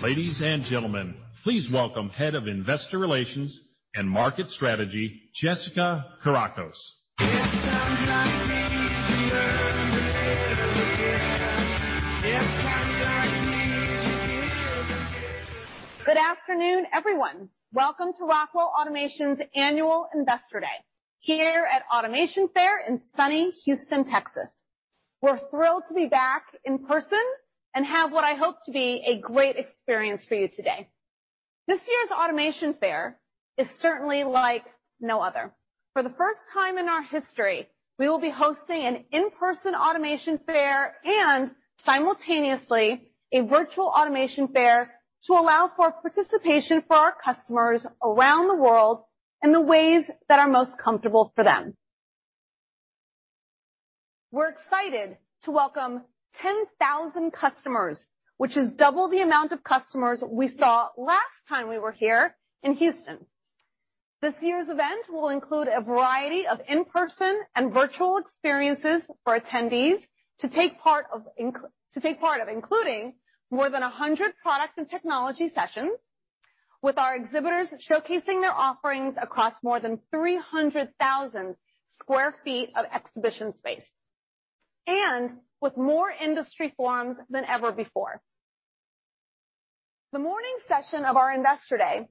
Ladies and gentlemen, please welcome Head of Investor Relations and Market Strategy, Jessica Kourakos. Good afternoon, everyone. Welcome to Rockwell Automation's Annual Investor Day here at Automation Fair in sunny Houston, Texas. We're thrilled to be back in person and have what I hope to be a great experience for you today. This year's Automation Fair is certainly like no other. For the first time in our history, we will be hosting an in-person Automation Fair and simultaneously a virtual Automation Fair to allow for participation for our customers around the world in the ways that are most comfortable for them. We're excited to welcome 10,000 customers, which is double the amount of customers we saw last time we were here in Houston. This year's event will include a variety of in-person and virtual experiences for attendees to take part in. To take part in, including more than 100 product and technology sessions with our exhibitors showcasing their offerings across more than 300,000 sq ft of exhibition space, and with more industry forums than ever before. The morning session of our Investor Day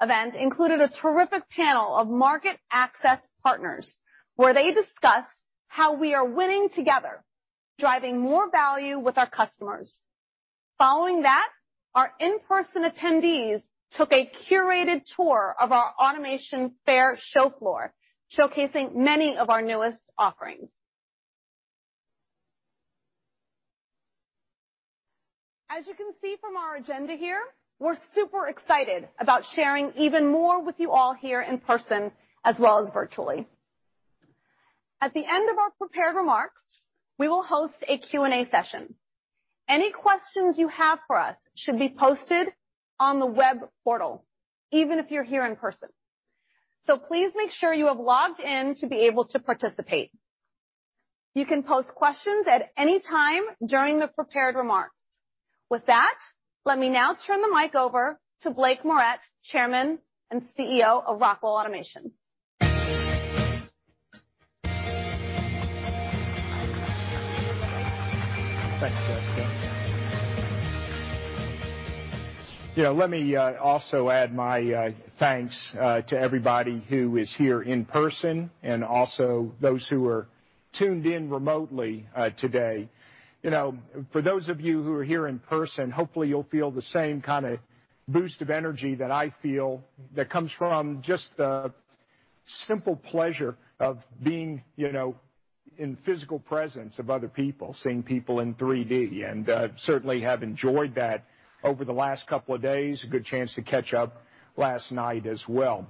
event included a terrific panel of market access partners, where they discussed how we are winning together, driving more value with our customers. Following that, our in-person attendees took a curated tour of our Automation Fair show floor, showcasing many of our newest offerings. As you can see from our agenda here, we're super excited about sharing even more with you all here in person as well as virtually. At the end of our prepared remarks, we will host a Q&A session. Any questions you have for us should be posted on the web portal, even if you're here in person. Please make sure you have logged in to be able to participate. You can post questions at any time during the prepared remarks. With that, let me now turn the mic over to Blake Moret, Chairman and CEO of Rockwell Automation. Thanks, Jessica. Yeah, let me also add my thanks to everybody who is here in person and also those who are tuned in remotely today. You know, for those of you who are here in person, hopefully you'll feel the same kind of boost of energy that I feel that comes from just the simple pleasure of being, you know, in physical presence of other people, seeing people in 3D, and certainly have enjoyed that over the last couple of days. A good chance to catch up last night as well.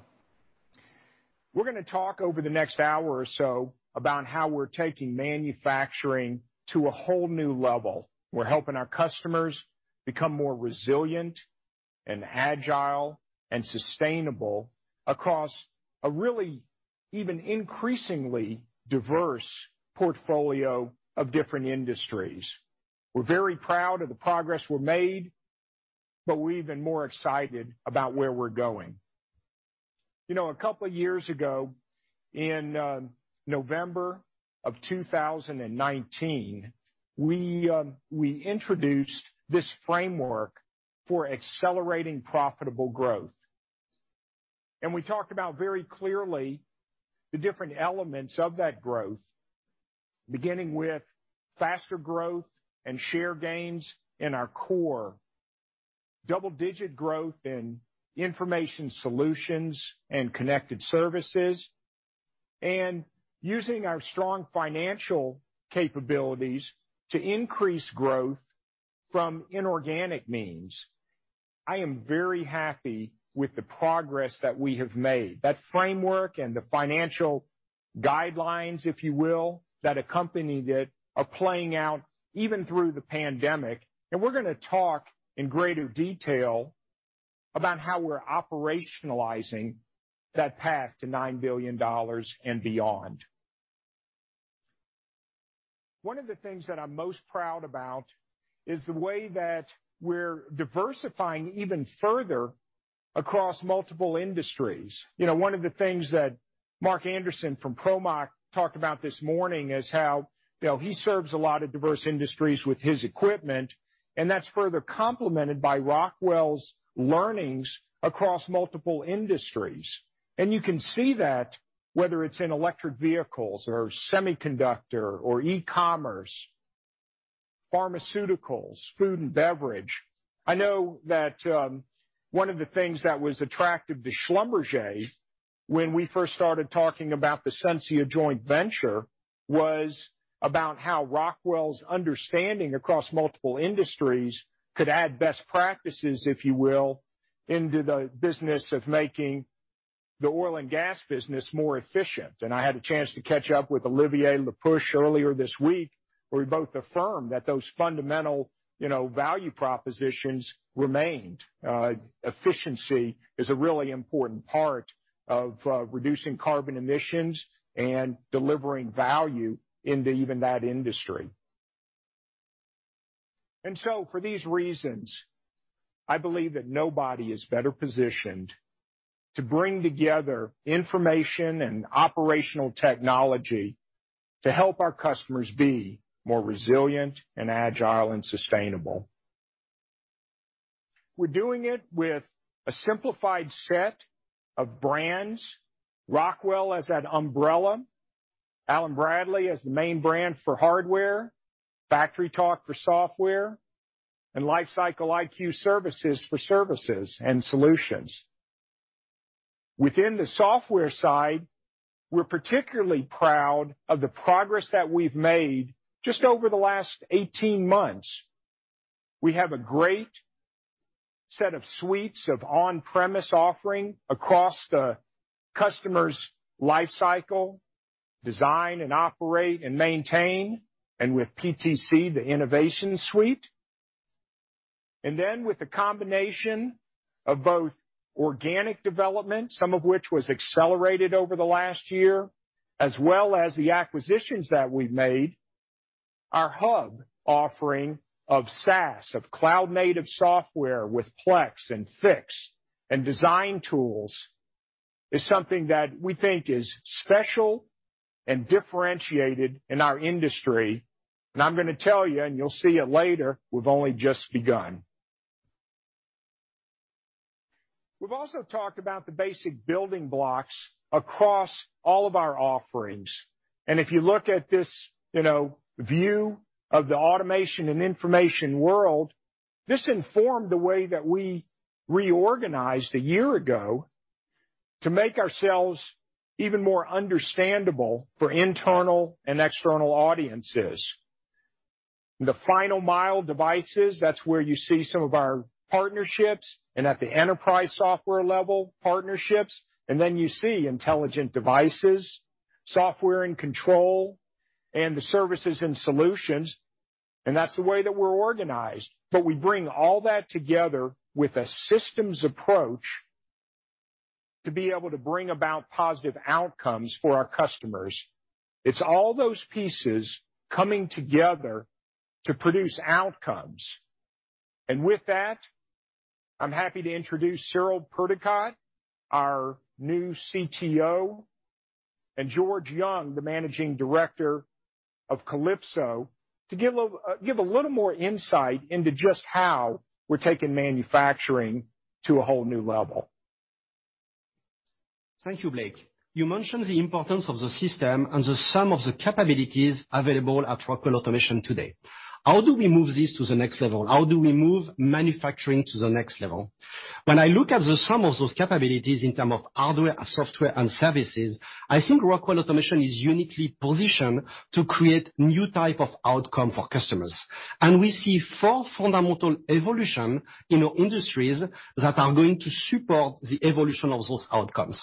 We're gonna talk over the next hour or so about how we're taking manufacturing to a whole new level. We're helping our customers become more resilient, agile, and sustainable across a really diverse portfolio of different industries. We're very proud of the progress we've made, but we're even more excited about where we're going. You know, a couple of years ago, in November of 2019, we introduced this framework for accelerating profitable growth. We talked about very clearly the different elements of that growth, beginning with faster growth and share gains in our core. Double-digit growth in information solutions and connected services, and using our strong financial capabilities to increase growth from inorganic means. I am very happy with the progress that we have made. That framework and the financial guidelines, if you will, that accompanied it are playing out even through the pandemic, and we're gonna talk in greater detail about how we're operationalizing that path to $9 billion and beyond. One of the things that I'm most proud of is the way that we're diversifying even further across multiple industries. You know, one of the things that Mark Anderson from ProMach talked about this morning is how, you know, he serves a lot of diverse industries with his equipment, and that's further complemented by Rockwell's learnings across multiple industries. You can see that whether it's in electric vehicles, or semiconductor, or e-commerce, pharmaceuticals, food and beverage. I know that one of the things that was attractive to Schlumberger when we first started talking about the Sensia joint venture was about how Rockwell's understanding across multiple industries could add best practices, if you will, into the business of making the oil and gas business more efficient. I had a chance to catch up with Olivier Le Peuch earlier this week, where we both affirmed that those fundamental, you know, value propositions remained. Efficiency is a really important part of reducing carbon emissions and delivering value in that industry. For these reasons, I believe that nobody is better positioned to bring together information and operational technology to help our customers be more resilient, agile, and sustainable. We're doing it with a simplified set of brands. Rockwell as that umbrella, Allen-Bradley as the main brand for hardware, FactoryTalk for software, and LifecycleIQ Services for services and solutions. Within the software side, we're particularly proud of the progress that we've made just over the last 18 months. We have a great set of suites of on-premise offerings across the customer's life cycle, design, operate, and maintain, and with PTC, the innovation suite. With the combination of both organic development, some of which was accelerated over the last year, as well as the acquisitions that we've made, our hub offering of SaaS, of cloud native software with Plex, Fiix, and the Design tools, is something that we think is special and differentiated in our industry. I'm gonna tell you, and you'll see it later, we've only just begun. We've also talked about the basic building blocks across all of our offerings. If you look at this, you know, view of the automation and information world, this informed the way that we reorganized a year ago to make ourselves even more understandable for internal and external audiences. The final mile devices, that's where you see some of our partnerships and at the enterprise software level partnerships, and then you see intelligent devices, software, and control, and the services and solutions, and that's the way that we're organized. We bring all that together with a systems approach to be able to bring about positive outcomes for our customers. It's all those pieces coming together to produce outcomes. With that, I'm happy to introduce Cyril Perducat, our new CTO, and George Young, Managing Director of Kalypso, to give a little more insight into just how we're taking manufacturing to a whole new level. Thank you, Blake. You mentioned the importance of the system and the sum of the capabilities available at Rockwell Automation today. How do we move this to the next level? How do we move manufacturing to the next level? When I look at the sum of those capabilities in terms of hardware, software, and services, I think Rockwell Automation is uniquely positioned to create a new type of outcome for customers. We see four fundamental evolutions in our industries that are going to support the evolution of those outcomes.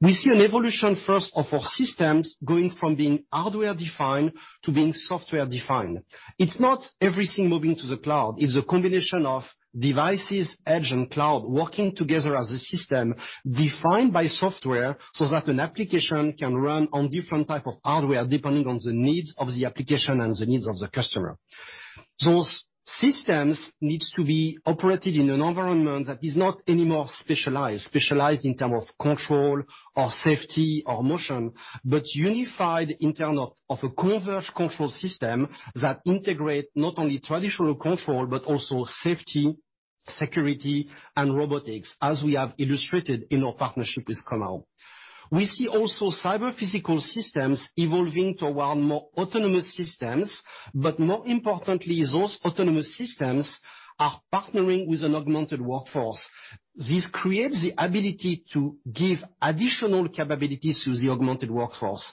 We see an evolution, first of our systems going from being hardware-defined to being software-defined. It's not everything moving to the cloud. It's a combination of devices, edge, and cloud working together as a system defined by software so that an application can run on different types of hardware depending on the needs of the application and the needs of the customer. Those systems need to be operated in an environment that is not anymore specialized in terms of control or safety or motion, but unified in terms of a converged control system that integrates not only traditional control, but also safety, security, and robotics, as we have illustrated in our partnership with Comau. We also see cyber-physical systems evolving toward more autonomous systems, but more importantly, those autonomous systems are partnering with an augmented workforce. This creates the ability to give additional capabilities to the augmented workforce.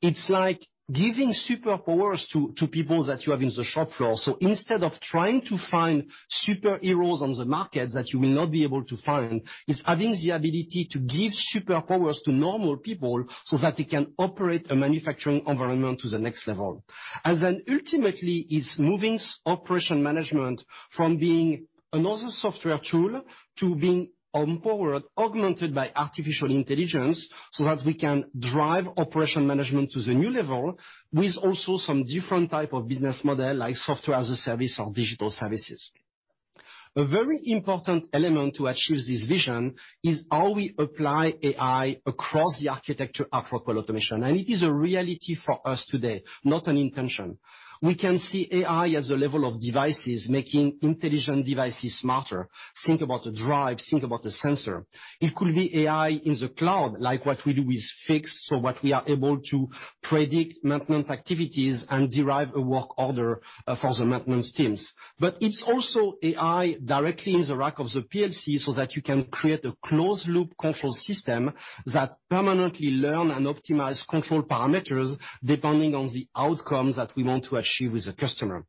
It's like giving superpowers to people that you have in the shop floor. Instead of trying to find superheroes on the market that you will not be able to find, it's having the ability to give superpowers to normal people so that they can operate a manufacturing environment to the next level. Ultimately, it's moving operation management from being another software tool to being empowered, augmented by artificial intelligence, so that we can drive operation management to a new level, with also some different types of business models like software as a service or digital services. A very important element to achieve this vision is how we apply AI across the architecture of Rockwell Automation. It is a reality for us today, not an intention. We can see AI as a level of devices, making intelligent devices smarter. Think about the drive, think about the sensor. It could be AI in the cloud, like what we do with Fiix, so that we are able to predict maintenance activities and derive a work order for the maintenance teams. It's also AI directly in the rack of the PLC, so that you can create a closed-loop control system that permanently learn and optimizes control parameters depending on the outcomes that we want to achieve with the customer.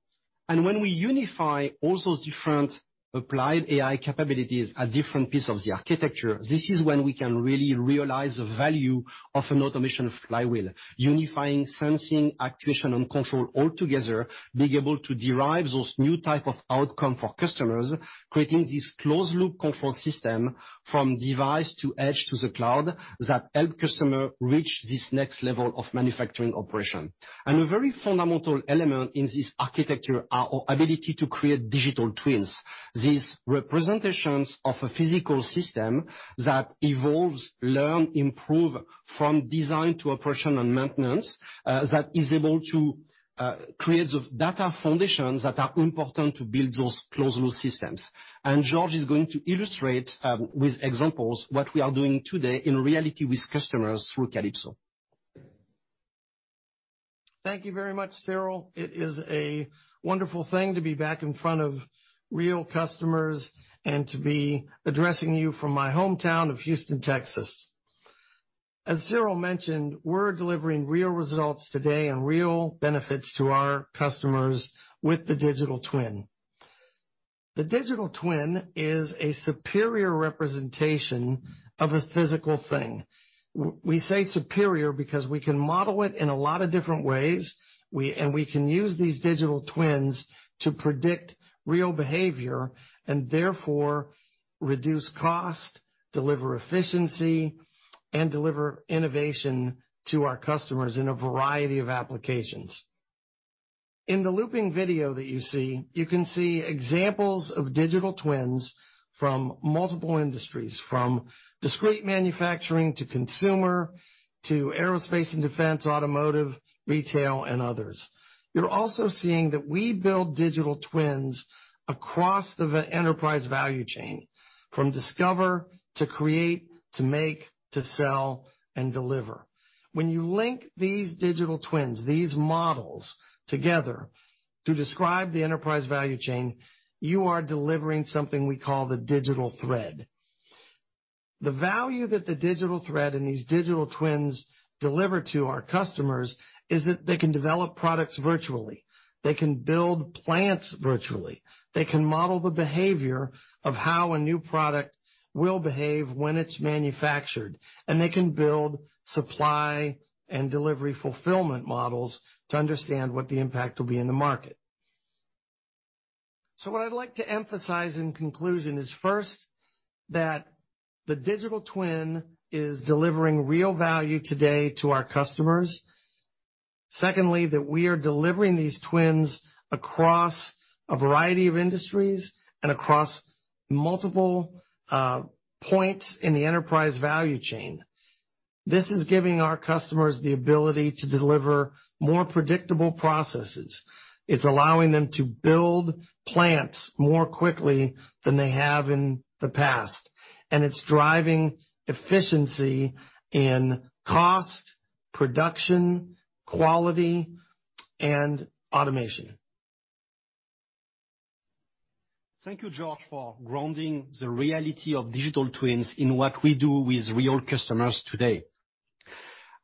When we unify all those different applied AI capabilities at different piece of the architecture, this is when we can really realize the value of an automation flywheel, unifying, sensing, activation, and control all together, being able to derive those new type of outcome for customers, creating this closed-loop control system from device to edge to the cloud that help customer reach this next level of manufacturing operation. A very fundamental element in this architecture is our ability to create digital twins. These representations of a physical system that evolves, learn, and improve from design to operation and maintenance, that is able to create the data foundations that are important to build those closed-loop systems. George is going to illustrate, with examples, what we are doing today in reality with customers through Kalypso. Thank you very much, Cyril. It is a wonderful thing to be back in front of real customers and to be addressing you from my hometown of Houston, Texas. As Cyril mentioned, we're delivering real results today and real benefits to our customers with the digital twin. The digital twin is a superior representation of a physical thing. We say superior because we can model it in a lot of different ways. We can use these digital twins to predict real behavior and therefore reduce cost, deliver efficiency, and deliver innovation to our customers in a variety of applications. In the looping video that you see, you can see examples of digital twins from multiple industries, from discrete manufacturing to consumer to aerospace and defense, automotive, retail, and others. You're also seeing that we build digital twins across the enterprise value chain from discover to create to make to sell and deliver. When you link these digital twins, these models together to describe the enterprise value chain, you are delivering something we call the digital thread. The value that the digital thread and these digital twins deliver to our customers is that they can develop products virtually. They can build plants virtually. They can model the behavior of how a new product will behave when it's manufactured, and they can build supply and delivery fulfillment models to understand what the impact will be in the market. What I'd like to emphasize in conclusion is first, that the digital twin is delivering real value today to our customers. Secondly, we are delivering these twins across a variety of industries and across multiple points in the enterprise value chain. This is giving our customers the ability to deliver more predictable processes. It's allowing them to build plants more quickly than they have in the past, and it's driving efficiency in cost, production, quality, and automation. Thank you, George, for grounding the reality of digital twins in what we do with real customers today.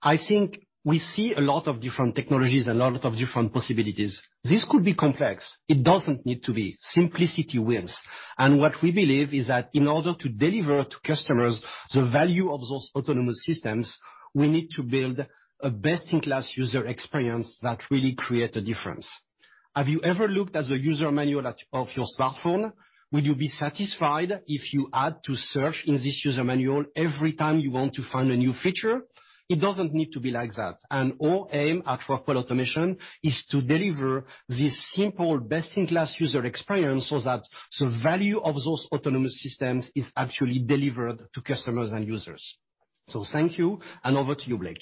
I think we see a lot of different technologies, a lot of different possibilities. This could be complex. It doesn't need to be. Simplicity wins. What we believe is that in order to deliver to customers the value of those autonomous systems, we need to build a best-in-class user experience that really creates a difference. Have you ever looked at the user manual of your smartphone? Would you be satisfied if you had to search in this user manual every time you want to find a new feature? It doesn't need to be like that. Our aim at Rockwell Automation is to deliver this simple best-in-class user experience so that the value of those autonomous systems is actually delivered to customers and users. Thank you, and over to you, Blake.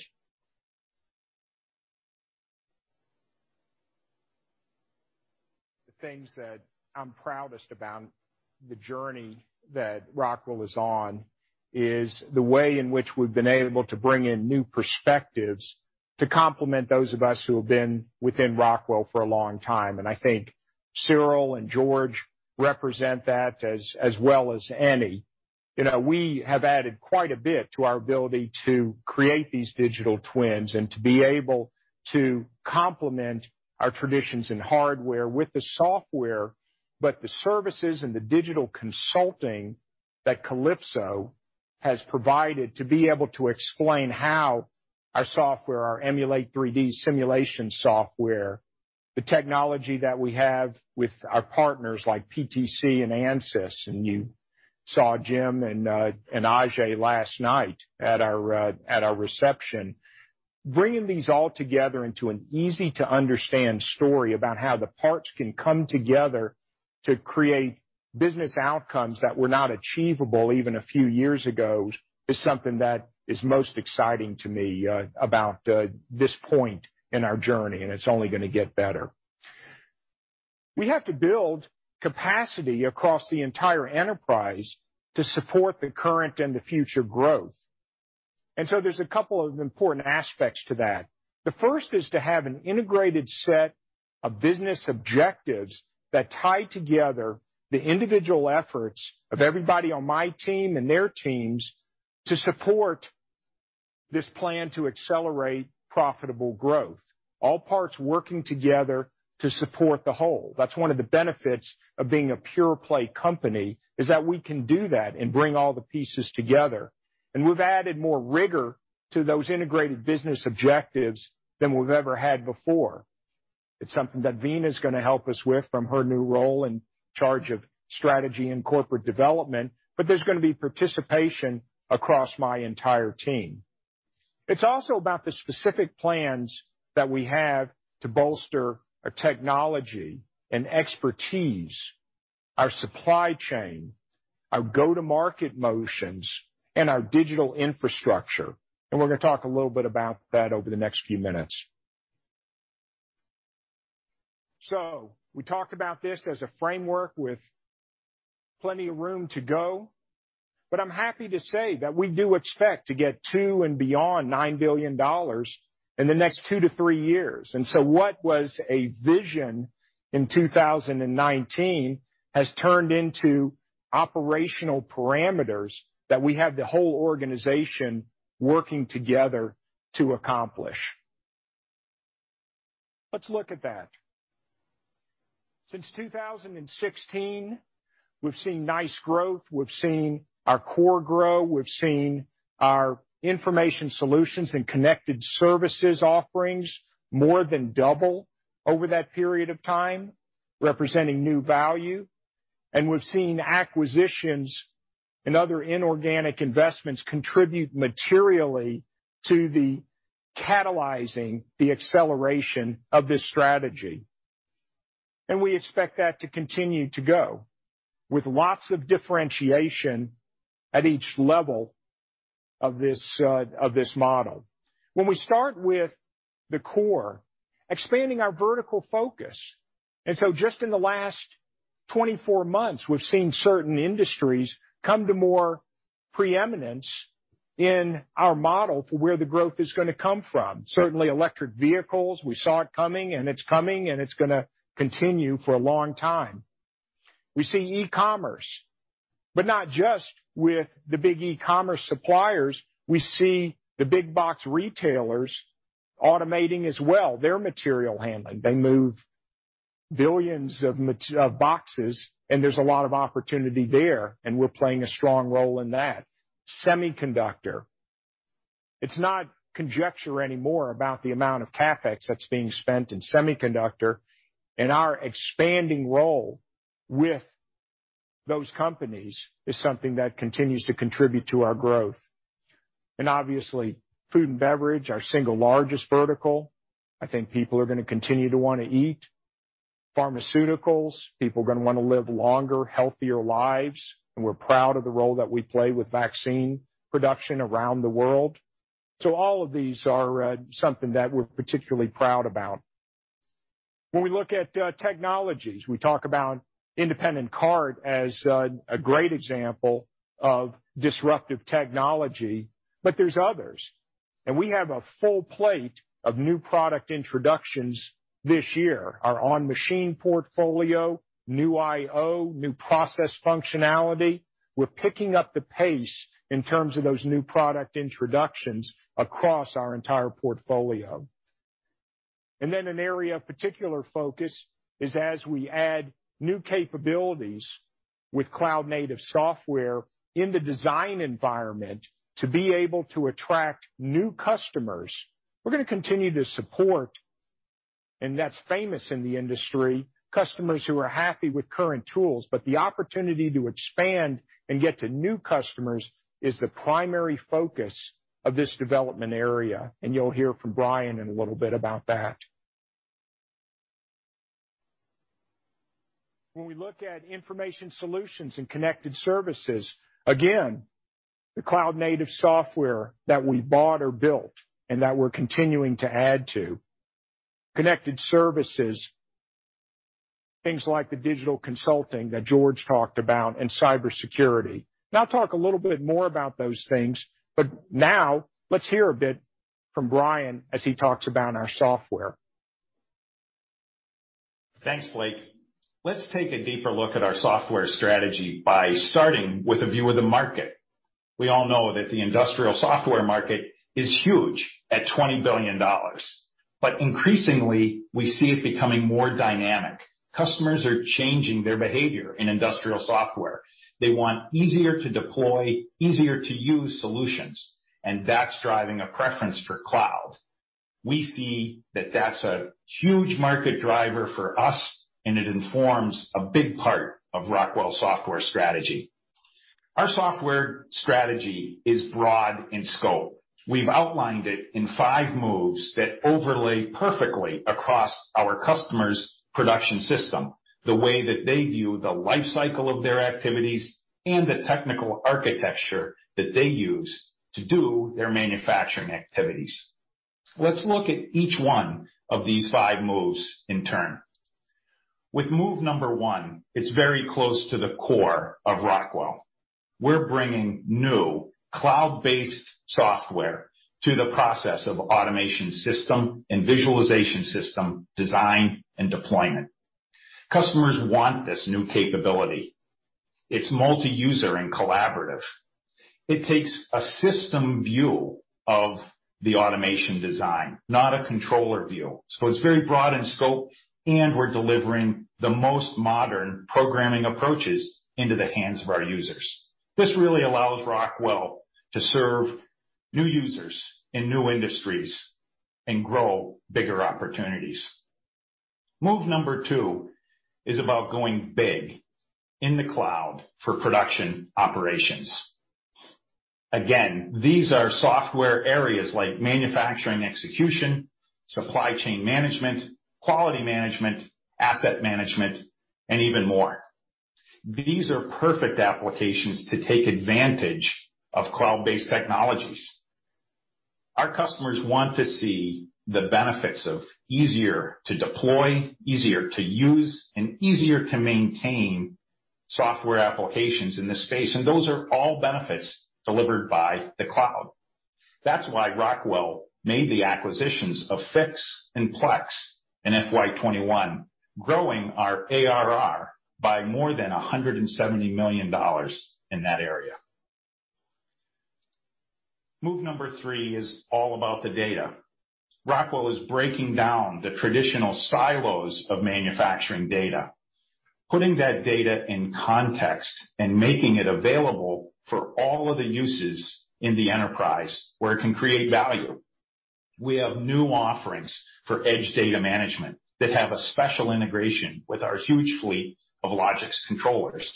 The things that I'm proudest of in the journey that Rockwell is on are the way in which we've been able to bring in new perspectives to complement those of us who have been within Rockwell for a long time. I think Cyril and George represent that as well as any. You know, we have added quite a bit to our ability to create these digital twins and to be able to complement our traditions in hardware with the software, but the services and the digital consulting that Kalypso has provided to be able to explain how our software, our Emulate3D simulation software, the technology that we have with our partners like PTC and Ansys, and you saw Jim and Ajay last night at our reception. Bringing these all together into an easy-to-understand story about how the parts can come together to create business outcomes that were not achievable even a few years ago is something that is most exciting to me about this point in our journey, and it's only gonna get better. We have to build capacity across the entire enterprise to support the current and future growth. There's a couple of important aspects to that. The first is to have an integrated set of business objectives that tie together the individual efforts of everybody on my team and their teams to support this plan to accelerate profitable growth, all parts working together to support the whole. That's one of the benefits of being a pure play company, is that we can do that and bring all the pieces together. We've added more rigor to those integrated business objectives than we've ever had before. It's something that Vena's gonna help us with from her new role in charge of strategy and corporate development, but there's gonna be participation across my entire team. It's also about the specific plans that we have to bolster our technology and expertise, our supply chain, our go-to-market motions, and our digital infrastructure. We're gonna talk a little bit about that over the next few minutes. We talked about this as a framework with plenty of room to go, but I'm happy to say that we do expect to get to and beyond $9 billion in the next two to three years. What was a vision in 2019 has turned into operational parameters that we have the whole organization working together to accomplish. Let's look at that. Since 2016, we've seen nice growth. We've seen our core grow. We've seen our information solutions and connected services offerings more than double over that period of time, representing new value. We've seen acquisitions and other inorganic investments contribute materially to catalyzing the acceleration of this strategy. We expect that to continue to go with lots of differentiation at each level of this model. When we start with the core, expanding our vertical focus, just in the last 24 months, we've seen certain industries come to more prominence in our model for where the growth is gonna come from. Certainly, electric vehicles, we saw it coming, and it's coming, and it's gonna continue for a long time. We see e-commerce, but not just with the big e-commerce suppliers. We see the big box retailers automating as well their material handling. They move billions of boxes, and there's a lot of opportunity there, and we're playing a strong role in that. Semiconductor. It's not conjecture anymore about the amount of CapEx that's being spent in the semiconductor. Our expanding role with those companies is something that continues to contribute to our growth. Obviously, food and beverage, our single largest vertical, I think people are gonna continue to wanna eat. Pharmaceuticals. People are gonna wanna live longer, healthier lives, and we're proud of the role that we play with vaccine production around the world. All of these are something that we're particularly proud of. When we look at technologies, we talk about the independent cart as a great example of disruptive technology, but there's others. We have a full plate of new product introductions this year. Our on-machine portfolio, new IO, and new process functionality. We're picking up the pace in terms of those new product introductions across our entire portfolio. An area of particular focus is as we add new capabilities with cloud-native software in the design environment, to be able to attract new customers. We're gonna continue to support, and that's famous in the industry, customers who are happy with current tools, but the opportunity to expand and get to new customers is the primary focus of this development area. You'll hear from Brian in a little bit about that. When we look at information solutions and connected services, again, the cloud-native software that we bought or built and that we're continuing to add to, connected services, things like the digital consulting that George talked about, and cybersecurity. I'll talk a little bit more about those things, but now let's hear a bit from Brian as he talks about our software. Thanks, Blake. Let's take a deeper look at our software strategy by starting with a view of the market. We all know that the industrial software market is huge at $20 billion. Increasingly, we see it becoming more dynamic. Customers are changing their behavior in industrial software. They want easier-to-deploy, easier-to-use solutions, and that's driving a preference for cloud. We see that that's a huge market driver for us, and it informs a big part of Rockwell's software strategy. Our software strategy is broad in scope. We've outlined it in five moves that overlay perfectly across our customers' production system, the way that they view the life cycle of their activities, and the technical architecture that they use to do their manufacturing activities. Let's look at each one of these five moves in turn. With move number one, it's very close to the core of Rockwell. We're bringing new cloud-based software to the process of automation system and visualization system design and deployment. Customers want this new capability. It's multi-user and collaborative. It takes a system view of the automation design, not a controller view. So it's very broad in scope, and we're delivering the most modern programming approaches into the hands of our users. This really allows Rockwell to serve new users in new industries and grow bigger opportunities. Move number two is about going big in the cloud for production operations. Again, these are software areas like manufacturing execution, supply chain management, quality management, asset management, and even more. These are perfect applications to take advantage of cloud-based technologies. Our customers want to see the benefits of easier-to-deploy, easier-to-use, and easier-to-maintain software applications in this space, and those are all benefits delivered by the cloud. That's why Rockwell made the acquisitions of Fiix and Plex in FY 2021, growing our ARR by more than $170 million in that area. Move number three is all about the data. Rockwell is breaking down the traditional silos of manufacturing data, putting that data in context and making it available for all of the uses in the enterprise where it can create value. We have new offerings for edge data management that have a special integration with our huge fleet of Logix controllers.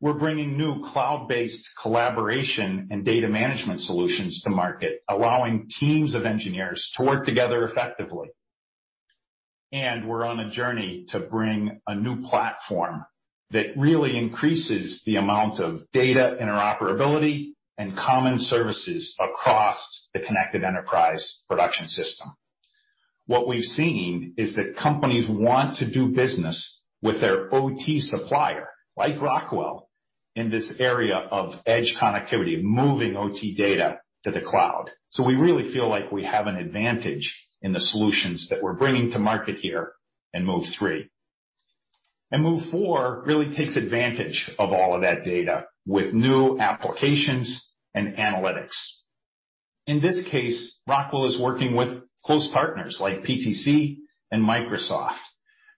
We're bringing new cloud-based collaboration and data management solutions to market, allowing teams of engineers to work together effectively. We're on a journey to bring a new platform that really increases the amount of data interoperability and common services across the Connected Enterprise production system. What we've seen is that companies want to do business with their OT supplier, like Rockwell, in this area of edge connectivity, moving OT data to the cloud. We really feel like we have an advantage in the solutions that we're bringing to market here in move three. Move four really takes advantage of all of that data with new applications and analytics. In this case, Rockwell is working with close partners like PTC and Microsoft,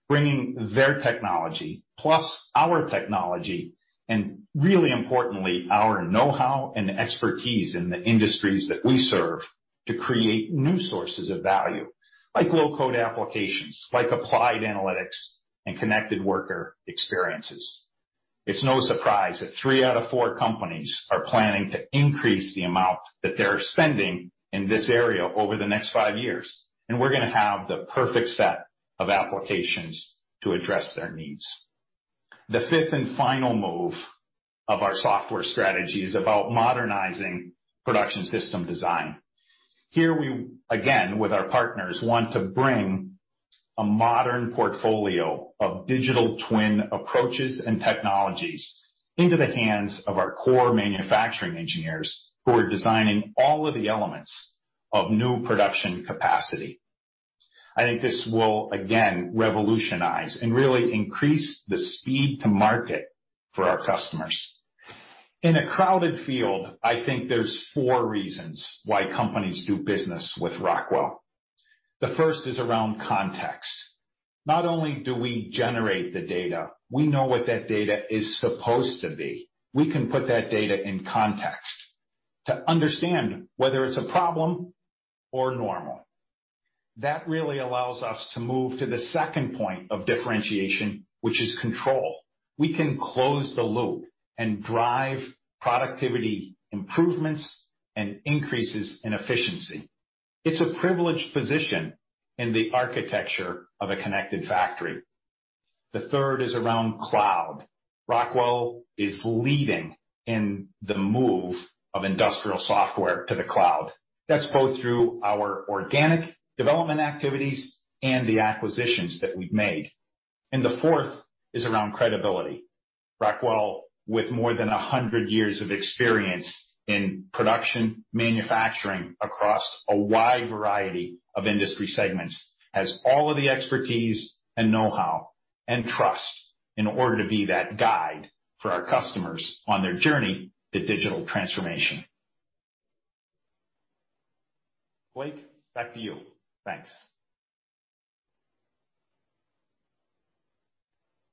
bringing their technology plus our technology, and, most importantly, our know-how and expertise in the industries that we serve to create new sources of value, like low-code applications, applied analytics, and connected worker experiences. It's no surprise that three out of four companies are planning to increase the amount that they're spending in this area over the next five years, and we're gonna have the perfect set of applications to address their needs. The fifth and final move of our software strategy is about modernizing production system design. Here we, again, with our partners, want to bring a modern portfolio of digital twin approaches and technologies into the hands of our core manufacturing engineers who are designing all of the elements of new production capacity. I think this will again revolutionize and really increase the speed to market for our customers. In a crowded field, I think there's four reasons why companies do business with Rockwell. The first is around context. Not only do we generate the data, but we also know what that data is supposed to be. We can put that data in context to understand whether it's a problem or normal. That really allows us to move to the second point of differentiation, which is control. We can close the loop and drive productivity improvements and increases in efficiency. It's a privileged position in the architecture of a connected factory. The third is around the cloud. Rockwell is leading in the move of industrial software to the cloud. That's both through our organic development activities and the acquisitions that we've made. The fourth is around credibility. Rockwell, with more than 100 years of experience in production manufacturing across a wide variety of industry segments, has all of the expertise, and know-how, and trust in order to be that guide for our customers on their journey to digital transformation. Blake, back to you. Thanks.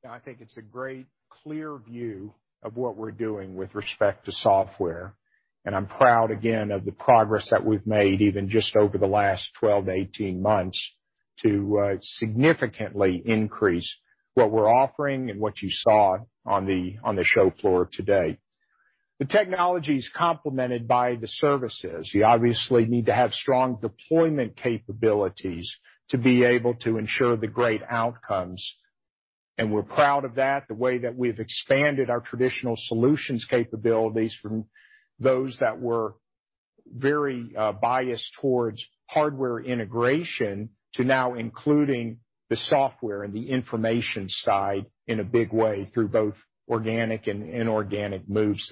Yeah, I think it's a great, clear view of what we're doing with respect to software, and I'm proud again of the progress that we've made, even just over the last 12-18 months, to significantly increase what we're offering and what you saw on the show floor today. The technology is complemented by the services. You obviously need to have strong deployment capabilities to be able to ensure the great outcomes, and we're proud of that. The way that we've expanded our traditional solutions capabilities from those that were very biased towards hardware integration to now including the software and the information side in a big way through both organic and inorganic moves.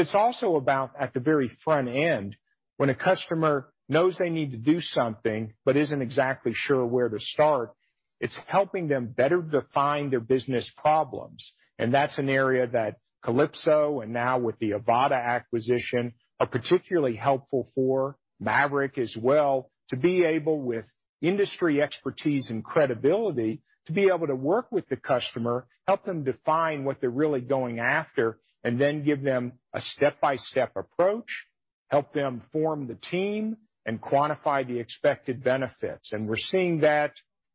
It's also about at the very front end, when a customer knows they need to do something but isn't exactly sure where to start, it's helping them better define their business problems. That's an area that Kalypso, and now with the AVATA acquisition, is particularly helpful for, Maverick as well, to be able, with industry expertise and credibility, to be able to work with the customer, help them define what they're really going after, and then give them a step-by-step approach, help them form the team and quantify the expected benefits. We're seeing that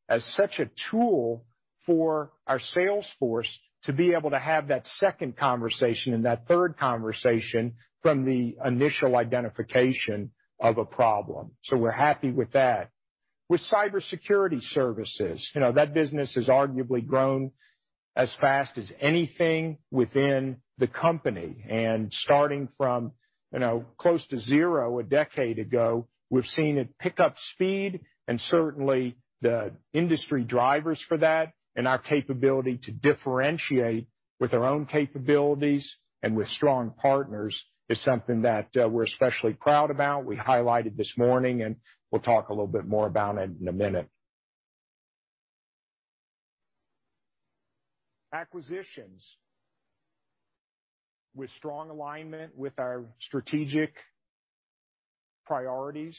as such a tool for our sales force to be able to have that second conversation and that third conversation from the initial identification of a problem. We're happy with that. With cybersecurity services, you know, that business has arguably grown as fast as anything within the company. Starting from, you know, close to zero a decade ago, we've seen it pick up speed, and certainly, the industry drivers for that and our capability to differentiate with our own capabilities and with strong partners is something een that we're especially proud about. We highlighted this morning, and we'll talk a little bit more about it in a minute. Acquisitions with strong alignment with our strategic priorities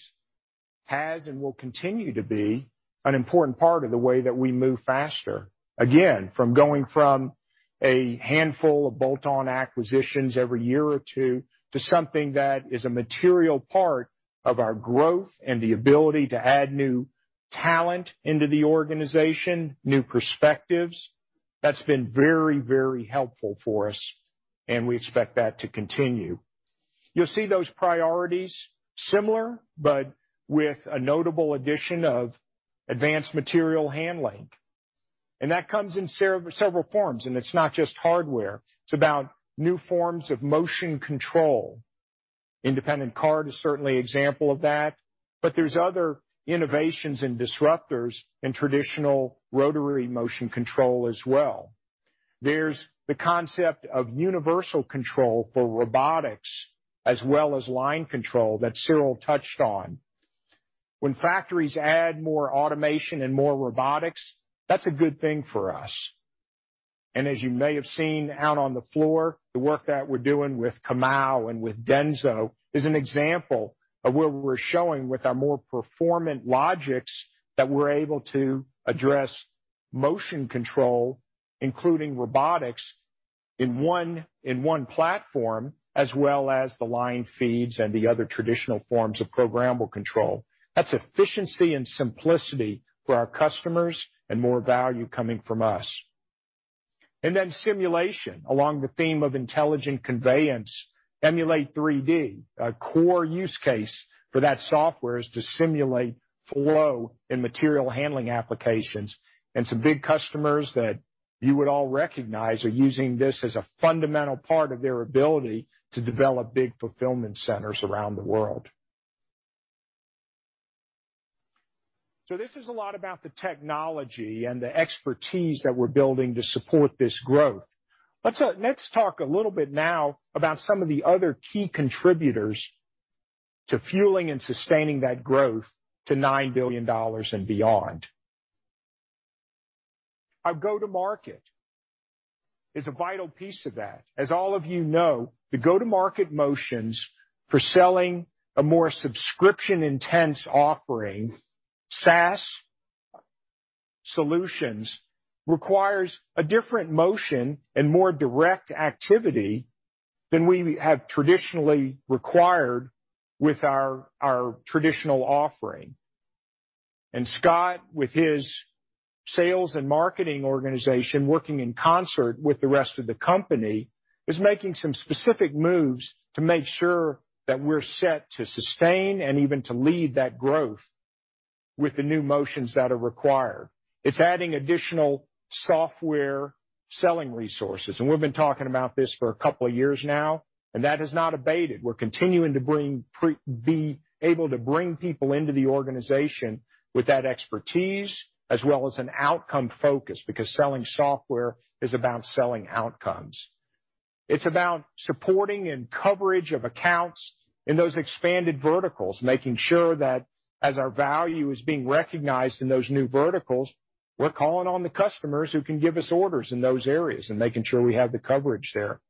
have been and will continue to be an important part of the way that we move faster. Again, going from a handful of bolt-on acquisitions every year or two to something that is a material part of our growth and the ability to add new talent into the organization, new perspectives, that's been very, very helpful for us, and we expect that to continue. You'll see those priorities similar, but with a notable addition of advanced material handling. That comes in several forms, and it's not just hardware. It's about new forms of motion control. Independent cart is certainly an example of that, but there's other innovations and disruptors in traditional rotary motion control as well. There's the concept of universal control for robotics, as well as line control that Cyril touched on. When factories add more automation and more robotics, that's a good thing for us. As you may have seen out on the floor, the work that we're doing with Comau and with DENSO is an example of where we're showing with our more performant Logix that we're able to address motion control, including robotics, in one platform, as well as the line feeds and the other traditional forms of programmable control. That's efficiency and simplicity for our customers and more value coming from us. Then, simulation, along the theme of intelligent conveyance, Emulate3D, a core use case for that software, is to simulate flow in material handling applications. Some big customers that you would all recognize are using this as a fundamental part of their ability to develop big fulfillment centers around the world. This is a lot about the technology and the expertise that we're building to support this growth. Let's talk a little bit now about some of the other key contributors to fueling and sustaining that growth to $9 billion and beyond. Our go-to-market is a vital piece of that. As all of you know, the go-to-market motions for selling a more subscription-intensive offering, SaaS solutions, require a different motion and more direct activity than we have traditionally required with our traditional offering. Scott, with his sales and marketing organization, working in concert with the rest of the company, is making some specific moves to make sure that we're set to sustain and even to lead that growth with the new motions that are required. It's adding additional software selling resources, and we've been talking about this for a couple of years now, and that has not abated. We're continuing to be able to bring people into the organization with that expertise, as well as an outcome focus, because selling software is about selling outcomes. It's about supporting and coverage of accounts in those expanded verticals, making sure that as our value is being recognized in those new verticals, we're calling on the customers who can give us orders in those areas, and making sure we have the coverage there.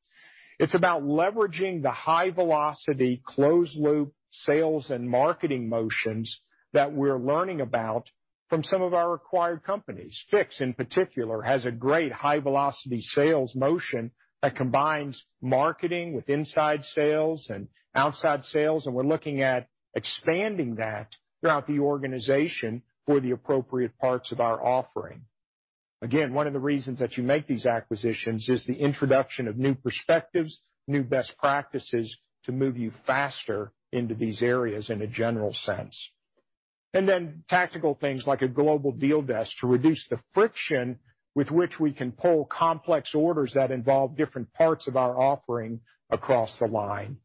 It's about leveraging the high velocity, closed-loop sales and marketing motions that we're learning about from some of our acquired companies. Fiix, in particular, has a great high velocity sales motion that combines marketing with inside sales and outside sales, and we're looking at expanding that throughout the organization for the appropriate parts of our offering. Again, one of the reasons that you make these acquisitions is the introduction of new perspectives, new best practices to move you faster into these areas in a general sense. tactical things like a global deal desk to reduce the friction with which we can pull complex orders that involve different parts of our offering across the line.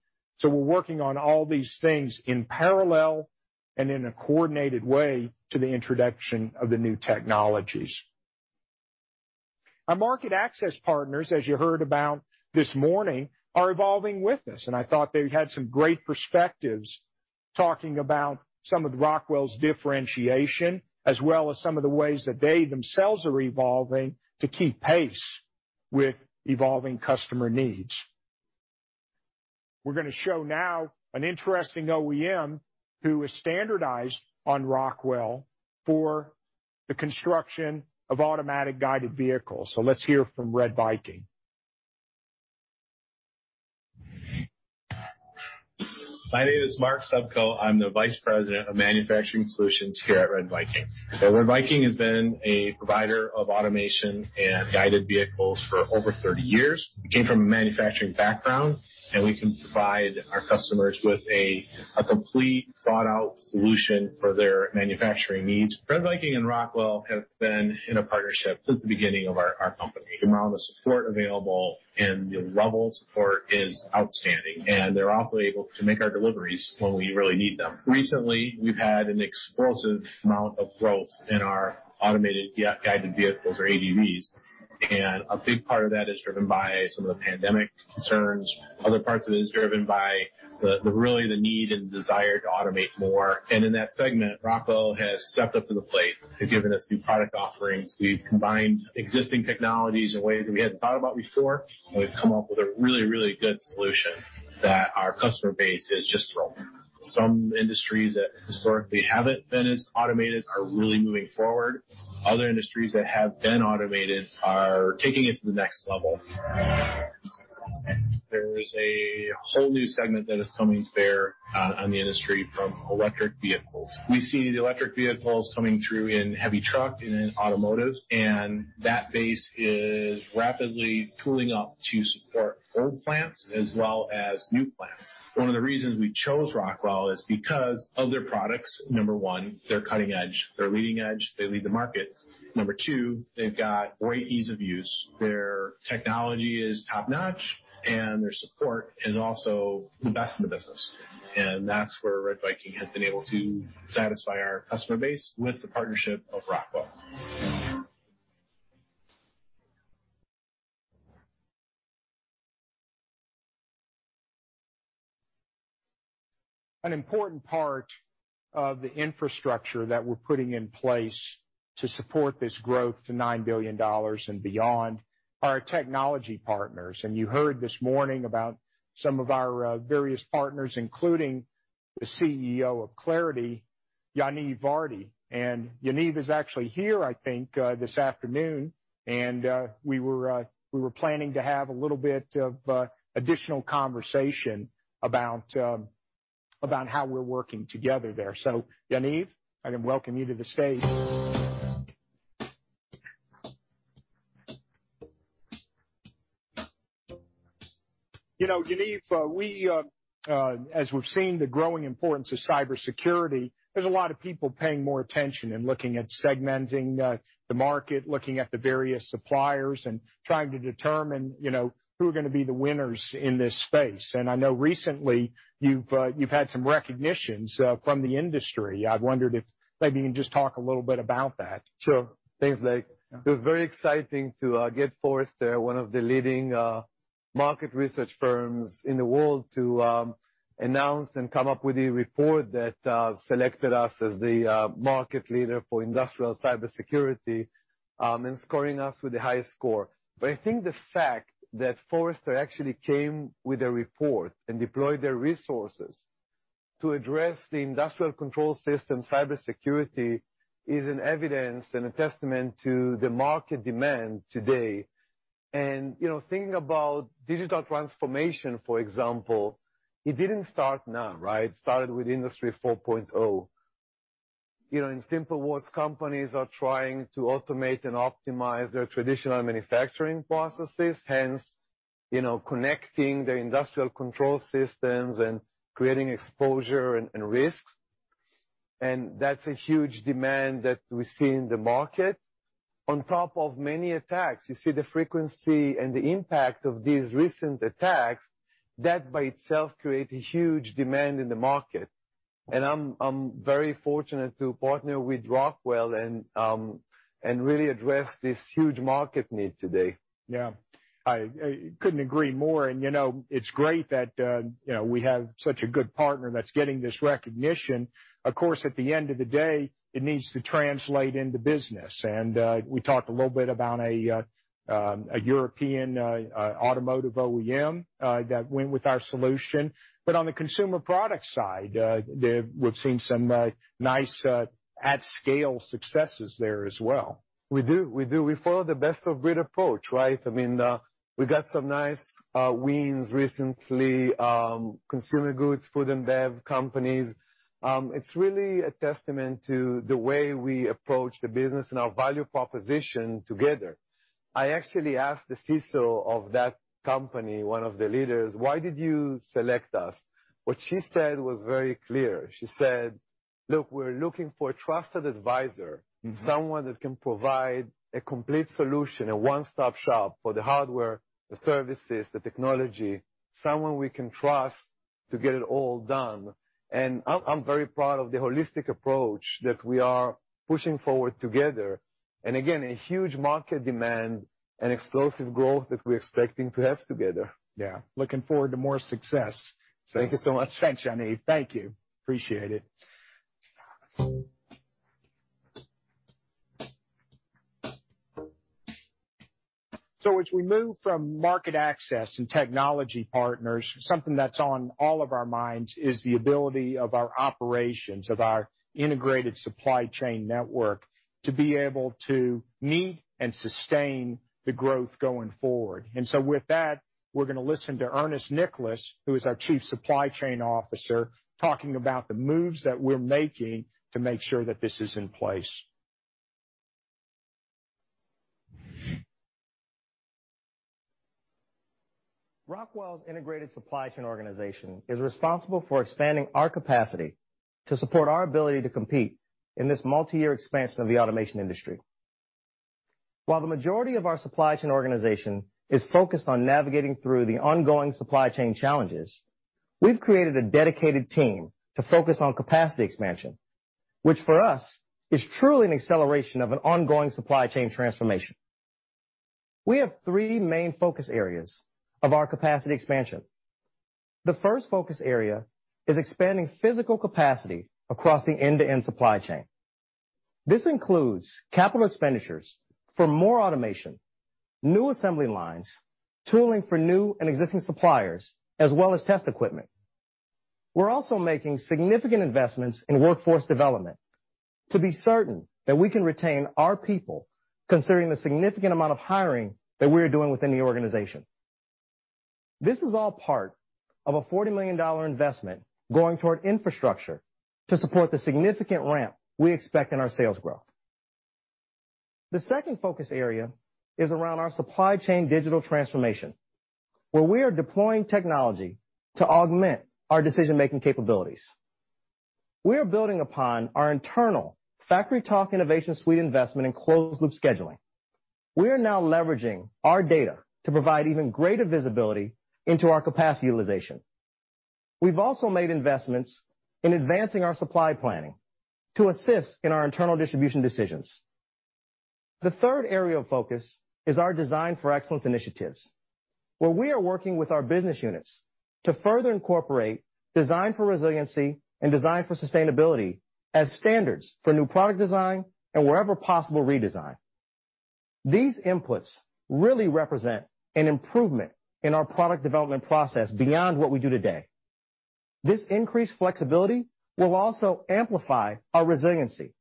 We're working on all these things in parallel and in a coordinated way for the introduction of the new technologies. Our market access partners, as you heard about this morning, are evolving with us, and I thought they had some great perspectives talking about some of Rockwell's differentiation, as well as some of the ways that they themselves are evolving to keep pace with evolving customer needs. We're gonna show now an interesting OEM that is standardized on Rockwell for the construction of automatic guided vehicles. Let's hear from RedViking. My name is Mark Sobkow. I'm the Vice President of Manufacturing Solutions here at RedViking. RedViking has been a provider of automation and guided vehicles for over 30 years. We come from a manufacturing background, and we can provide our customers with a complete, thought-out solution for their manufacturing needs. RedViking and Rockwell have been in a partnership since the beginning of our company. The amount of support available and the level of support are outstanding, and they're also able to make our deliveries when we really need them. Recently, we've had an explosive amount of growth in our automated guided vehicles, or AGVs, and a big part of that is driven by some of the pandemic concerns. Other parts of it are driven by the real need and desire to automate more. In that segment, Rockwell has stepped up to the plate. They've given us new product offerings. We've combined existing technologies in ways that we hadn't thought about before. We've come up with a really, really good solution that our customer base has just grown. Some industries that historically haven't been as automated are really moving forward. Other industries that have been automated are taking it to the next level. There is a whole new segment that is coming to bear on the industry from electric vehicles. We see the electric vehicles coming through in Heavy Trucks and in Automotive, and that base is rapidly tooling up to support old plants as well as new plants. One of the reasons we chose Rockwell is because of their products. Number one, they're cutting-edge. They're leading edge. They lead the market. Number two, they've got great ease of use. Their technology is top-notch, and their support is also the best in the business. That's where RedViking has been able to satisfy our customer base with the partnership of Rockwell. An important part of the infrastructure that we're putting in place to support this growth to $9 billion and beyond is our technology partners. You heard this morning about some of our various partners, including the CEO of Claroty, Yaniv Vardi. Yaniv is actually here, I think, this afternoon. We were planning to have a little bit of additional conversation about how we're working together there. Yaniv, I can welcome you to the stage. You know, Yaniv, we have seen the growing importance of cybersecurity, there are a lot of people paying more attention and looking at segmenting the market, looking at the various suppliers and trying to determine, you know, who are gonna be the winners in this space. I know recently you've had some recognitions from the industry. I wondered if maybe you can just talk a little bit about that. Sure. Thanks, Blake. It was very exciting to get Forrester, one of the leading market research firms in the world, to announce and come up with a report that selected us as the market leader for industrial cybersecurity and scored us the highest score. I think the fact that Forrester actually came up with a report and deployed their resources to address the industrial control system cybersecurity is evidence and a testament to the market demand today. You know, thinking about digital transformation, for example, it didn't start now, right? It started with Industry 4.0. You know, in simple words, companies are trying to automate and optimize their traditional manufacturing processes, hence, you know, connecting their industrial control systems and creating exposure and risks. That's a huge demand that we see in the market. On top of many attacks, you see the frequency and the impact of these recent attacks, that by itself create a huge demand in the market. I'm very fortunate to partner with Rockwell and really address this huge market need today. Yeah. I couldn't agree more. You know, it's great that you know, we have such a good partner that's getting this recognition. Of course, at the end of the day, it needs to translate into business. We talked a little bit about a European automotive OEM that went with our solution. On the consumer product side, we've seen some nice at-scale successes there as well. We do. We follow the best of breed approach, right? I mean, we got some nice wins recently, consumer goods, food and bev companies. It's really a testament to the way we approach the business and our value proposition together. I actually asked the CISO of that company, one of the leaders, "Why did you select us?" What she said was very clear. She said, "Look, we're looking for a trusted advisor, someone that can provide a complete solution, a one-stop shop for the hardware, the services, the technology, someone we can trust to get it all done." I'm very proud of the holistic approach that we are pushing forward together. Again, a huge market demand and explosive growth that we're expecting to have together. Yeah. Looking forward to more success. Thank you so much, Thanks Yaniv. Thank you. Appreciate it. As we move from market access and technology partners, something that's on all of our minds is the ability of our operations, of our integrated supply chain network, to be able to meet and sustain the growth going forward. With that, we're gonna listen to Ernest Nicolas, who is our Chief Supply Chain Officer, talking about the moves that we're making to make sure that this is in place. Rockwell's integrated supply chain organization is responsible for expanding our capacity to support our ability to compete in this multiyear expansion of the automation industry. While the majority of our supply chain organization is focused on navigating through the ongoing supply chain challenges, we've created a dedicated team to focus on capacity expansion, which for us is truly an acceleration of an ongoing supply chain transformation. We have three main focus areas for our capacity expansion. The first focus area is expanding physical capacity across the end-to-end supply chain. This includes capital expenditures for more automation, new assembly lines, tooling for new and existing suppliers, and test equipment. We're also making significant investments in workforce development to be certain that we can retain our people, considering the significant amount of hiring that we're doing within the organization. This is all part of a $40 million investment going toward infrastructure to support the significant ramp we expect in our sales growth. The second focus area is around our supply chain digital transformation, where we are deploying technology to augment our decision-making capabilities. We are building upon our internal FactoryTalk InnovationSuite investment in closed-loop scheduling. We are now leveraging our data to provide even greater visibility into our capacity utilization. We've also made investments in advancing our supply planning to assist in our internal distribution decisions. The third area of focus is our Design for Excellence initiatives, where we are working with our business units to further incorporate design for resiliency and design for sustainability as standards for new product design, and wherever possible, redesign. These inputs really represent an improvement in our product development process beyond what we do today. This increased flexibility will also amplify our resiliency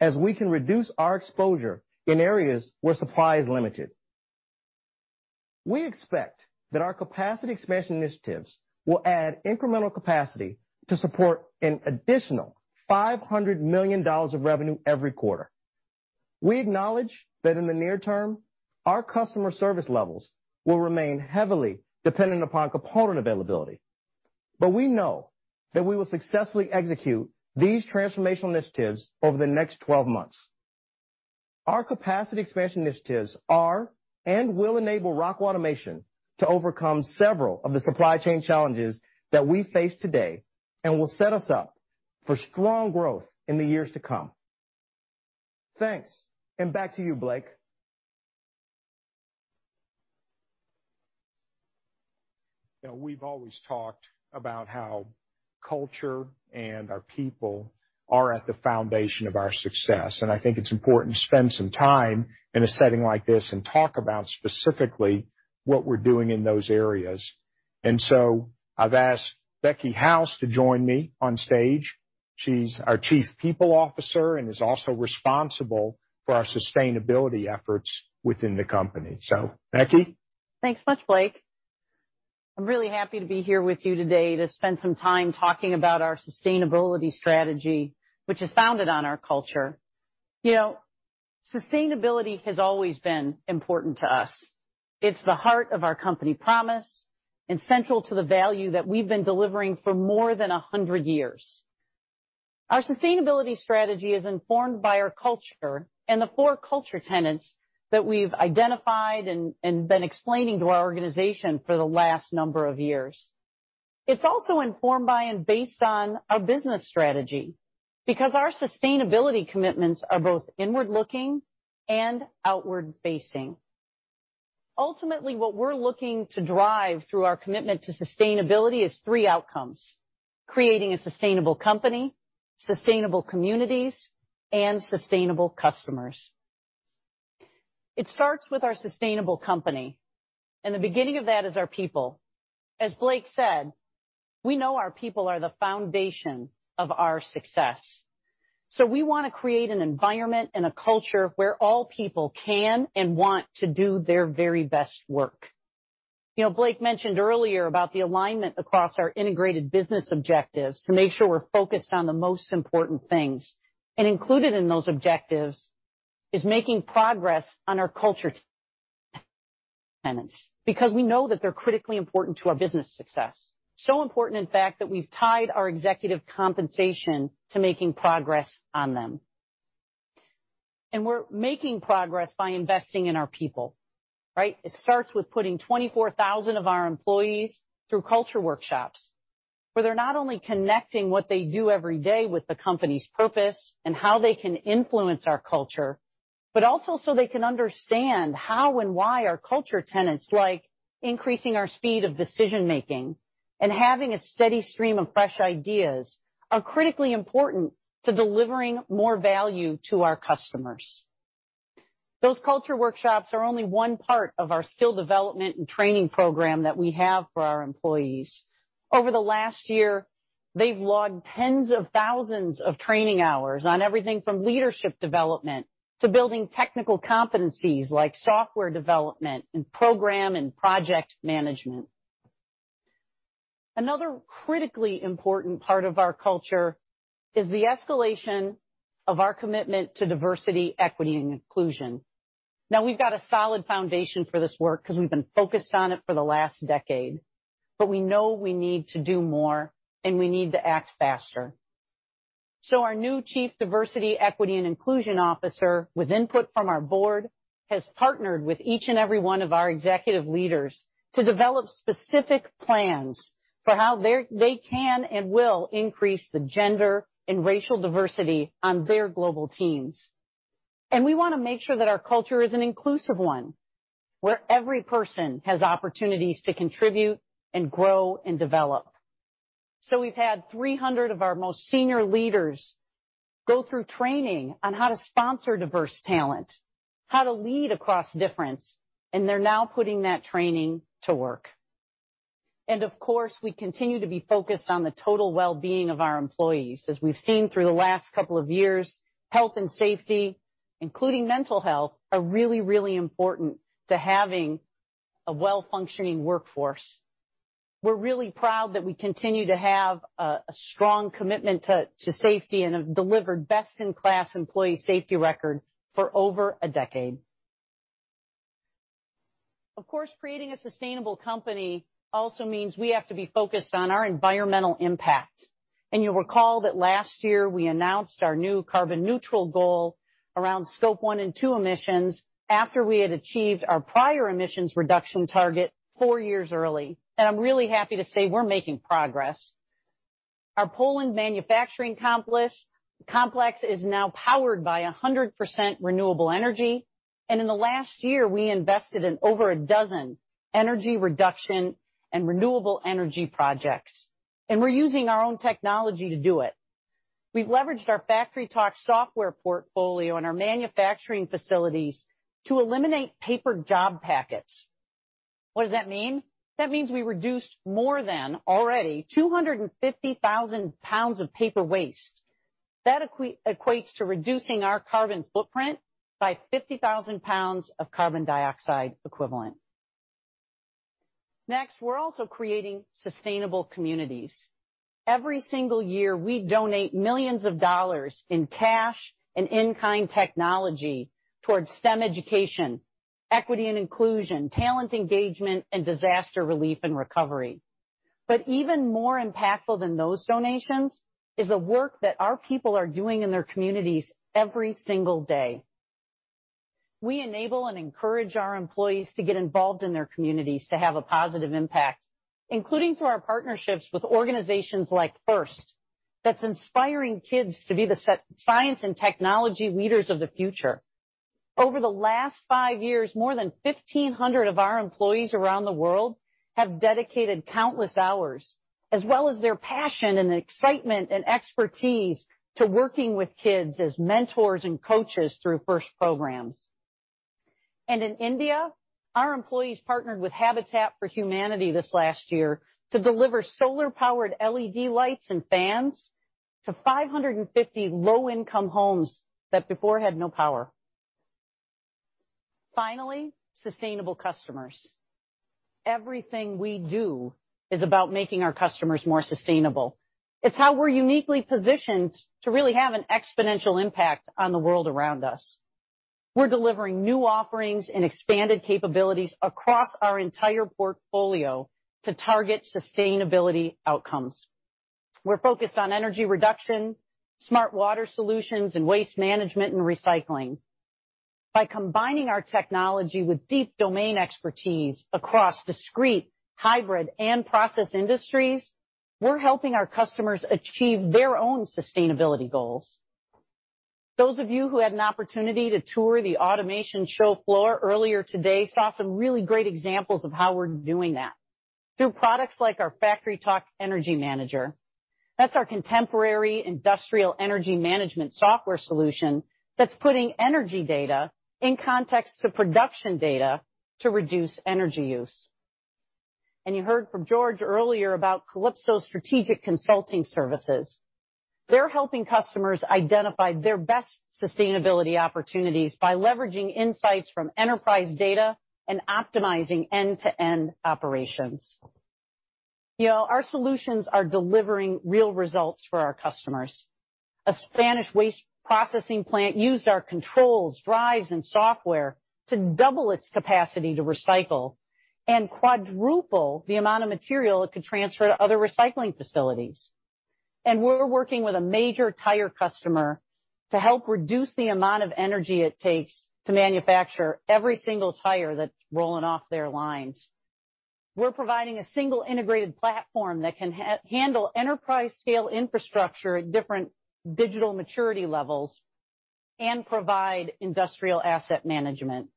as we can reduce our exposure in areas where supply is limited. We expect that our capacity expansion initiatives will add incremental capacity to support an additional $500 million of revenue every quarter. We acknowledge that in the near term, our customer service levels will remain heavily dependent upon component availability, but we know that we will successfully execute these transformational initiatives over the next 12 months. Our capacity expansion initiatives will enable Rockwell Automation to overcome several of the supply chain challenges that we face today and will set us up for strong growth in the years to come. Thanks, and back to you, Blake. You know, we've always talked about how culture and our people are at the foundation of our success, and I think it's important to spend some time in a setting like this and talk about specifically what we're doing in those areas. I've asked Becky House to join me on stage. She's our Chief People Officer and is also responsible for our sustainability efforts within the company. Becky. Thanks much, Blake. I'm really happy to be here with you today to spend some time talking about our sustainability strategy, which is founded on our culture. You know, sustainability has always been important to us. It's the heart of our company promise and central to the value that we've been delivering for more than 100 years. Our sustainability strategy is informed by our culture and the four culture tenets that we've identified and been explaining to our organization for the last number of years. It's also informed by and based on our business strategy, because our sustainability commitments are both inward-looking and outward-facing. Ultimately, what we're looking to drive through our commitment to sustainability is three outcomes: creating a sustainable company, sustainable communities, and sustainable customers. It starts with our sustainable company, and the beginning of that is our people. As Blake said, we know our people are the foundation of our success, so we wanna create an environment and a culture where all people can and want to do their very best work. You know, Blake mentioned earlier about the alignment across our integrated business objectives to make sure we're focused on the most important things. Included in those objectives is making progress on our culture tenets, because we know that they're critically important to our business success. Important, in fact, that we've tied our executive compensation to making progress on them. We're making progress by investing in our people, right? It starts with putting 24,000 of our employees through culture workshops, where they're not only connecting what they do every day with the company's purpose and how they can influence our culture, but also so they can understand how and why our culture tenets like increasing our speed of decision-making and having a steady stream of fresh ideas are critically important to delivering more value to our customers. Those culture workshops are only one part of our skill development and training program that we have for our employees. Over the last year, they've logged tens of thousands of training hours on everything from leadership development to building technical competencies like software development and program and project management. Another critically important part of our culture is the escalation of our commitment to diversity, equity, and inclusion. Now, we've got a solid foundation for this work 'cause we've been focused on it for the last decade, but we know we need to do more, and we need to act faster. Our new Chief Diversity, Equity, and Inclusion Officer, with input from our board, has partnered with each and every one of our executive leaders to develop specific plans for how they can and will increase the gender and racial diversity on their global teams. We wanna make sure that our culture is an inclusive one, where every person has opportunities to contribute, grow, and develop. We've had 300 of our most senior leaders go through training on how to sponsor diverse talent, how to lead across differences, and they're now putting that training to work. Of course, we continue to be focused on the total well-being of our employees. As we've seen through the last couple of years, health and safety, including mental health, are really, really important to having a well-functioning workforce. We're really proud that we continue to have a strong commitment to safety and have delivered a best-in-class employee safety record for over a decade. Of course, creating a sustainable company also means we have to be focused on our environmental impact. You'll recall that last year, we announced our new carbon-neutral goal around scope one and two emissions after we had achieved our prior emissions reduction target four years early. I'm really happy to say we're making progress. Our Poland manufacturing complex is now powered by 100% renewable energy, and in the last year, we invested in over a dozen energy reduction and renewable energy projects, and we're using our own technology to do it. We've leveraged our FactoryTalk software portfolio in our manufacturing facilities to eliminate paper job packets. What does that mean? That means we reduced more than 250,000 pounds of paper waste. That equates to reducing our carbon footprint by 50,000 pounds of carbon dioxide equivalent. Next, we're also creating sustainable communities. Every single year, we donate millions of dollars in cash and in-kind technology towards STEM education, equity and inclusion, talent engagement, and disaster relief and recovery. But even more impactful than those donations is the work that our people are doing in their communities every single day. We enable and encourage our employees to get involved in their communities to have a positive impact, including through our partnerships with organizations like FIRST, which inspires kids to be the science and technology leaders of the future. Over the last 5 years, more than 1,500 of our employees around the world have dedicated countless hours, as well as their passion, excitement, and expertise, to working with kids as mentors and coaches through FIRST programs. In India, our employees partnered with Habitat for Humanity this last year to deliver solar-powered LED lights and fans to 550 low-income homes that had no power before. Finally, sustainable customers. Everything we do is about making our customers more sustainable. It's how we're uniquely positioned to really have an exponential impact on the world around us. We're delivering new offerings and expanded capabilities across our entire portfolio to target sustainability outcomes. We're focused on energy reduction, smart water solutions, and waste management and recycling. By combining our technology with deep domain expertise across discrete, hybrid, and process industries, we're helping our customers achieve their own sustainability goals. Those of you who had an opportunity to tour the automation show floor earlier today saw some really great examples of how we're doing that through products like our FactoryTalk Energy Manager. That's our contemporary industrial energy management software solution that's putting energy data in context with production data to reduce energy use. You heard from George earlier about Kalypso Strategic Consulting Services. They're helping customers identify their best sustainability opportunities by leveraging insights from enterprise data and optimizing end-to-end operations. You know, our solutions are delivering real results for our customers. A Spanish waste processing plant used our controls, drives, and software to double its capacity to recycle and quadruple the amount of material it could transfer to other recycling facilities. We're working with a major tire customer to help reduce the amount of energy it takes to manufacture every single tire that's rolling off their lines. We're providing a single integrated platform that can handle enterprise-scale infrastructure at different digital maturity levels and provide industrial asset management,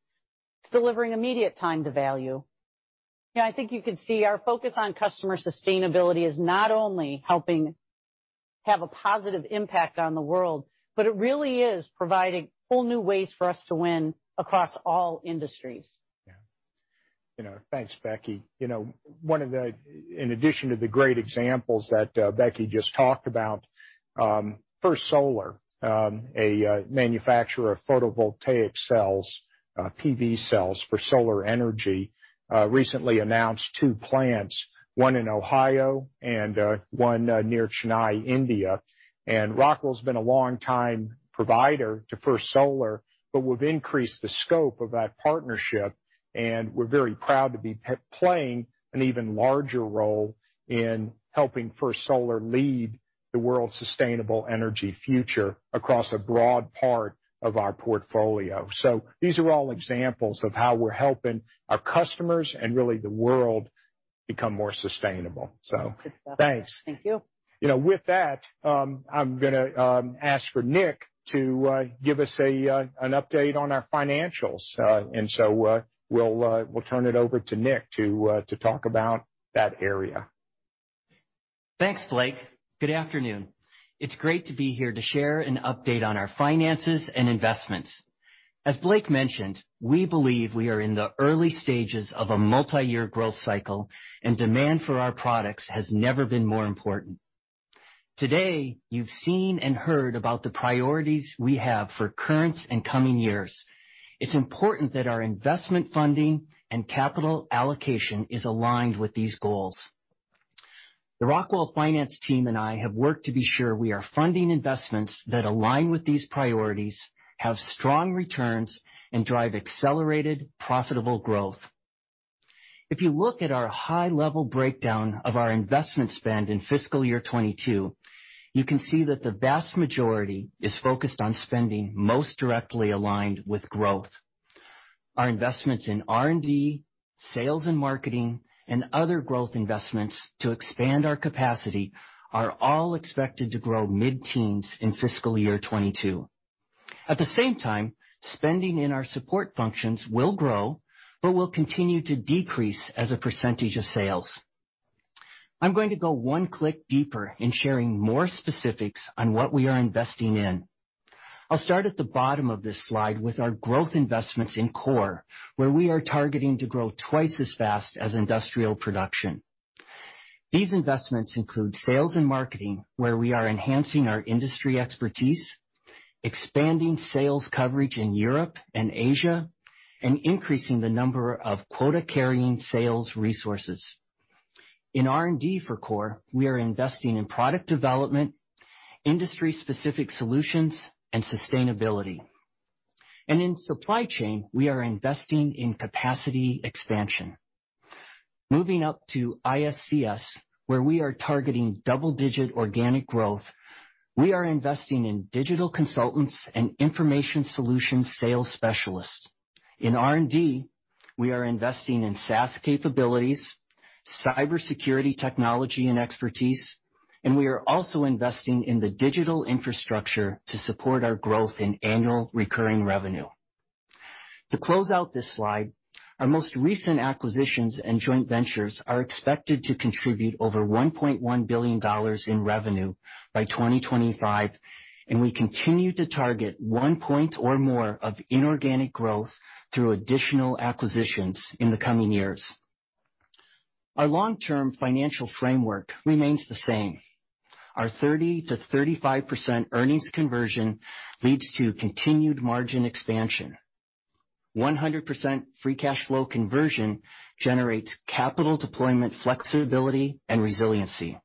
delivering immediate time to value. You know, I think you could see our focus on customer sustainability is not only helping have a positive impact on the world, but it really is providing whole new ways for us to win across all industries. Yeah. You know, thanks, Becky. You know, one of the, in addition to the great examples that Becky just talked about, First Solar, a manufacturer of photovoltaic cells, PV cells for solar energy, recently announced two plants, one in Ohio and one near Chennai, India. Rockwell's been a long-time provider to First Solar, but we've increased the scope of that partnership, and we're very proud to be playing an even larger role in helping First Solar lead the world's sustainable energy future across a broad part of our portfolio. These are all examples of how we're helping our customers and really the world become more sustainable. Thanks. Thank you. You know, with that, I'm gonna ask Nick to give us an update on our financials. We'll turn it over to Nick to talk about that area. Thanks, Blake. Good afternoon. It's great to be here to share an update on our finances and investments. As Blake mentioned, we believe we are in the early stages of a multi-year growth cycle, and demand for our products has never been more important. Today, you've seen and heard about the priorities we have for current and coming years. It's important that our investment funding and capital allocation is aligned with these goals. The Rockwell finance team and I have worked to be sure we are funding investments that align with these priorities, have strong returns, and drive accelerated, profitable growth. If you look at the high-level breakdown of our investment spend in fiscal year 2022, you can see that the vast majority is focused on spending most directly aligned with growth. Our investments in R&D, sales and marketing, and other growth investments to expand our capacity are all expected to grow mid-teens in fiscal year 2022. At the same time, spending in our support functions will grow, but will continue to decrease as a percentage of sales. I'm going to go one click deeper in sharing more specifics on what we are investing in. I'll start at the bottom of this slide with our growth investments in core, where we are targeting to grow twice as fast as industrial production. These investments include sales and marketing, where we are enhancing our industry expertise, expanding sales coverage in Europe and Asia, and increasing the number of quota-carrying sales resources. In R&D for core, we are investing in product development, industry-specific solutions, and sustainability. In the supply chain, we are investing in capacity expansion. Moving up to ISCS, where we are targeting double-digit organic growth, we are investing in digital consultants and information solution sales specialists. In R&D, we are investing in SaaS capabilities, cybersecurity technology and expertise, and we are also investing in the digital infrastructure to support our growth in annual recurring revenue. To close out this slide, our most recent acquisitions and joint ventures are expected to contribute over $1.1 billion in revenue by 2025, and we continue to target 1% or more of inorganic growth through additional acquisitions in the coming years. Our long-term financial framework remains the same. Our 30%-35% earnings conversion leads to continued margin expansion. 100% free cash flow conversion generates capital deployment flexibility and resiliency.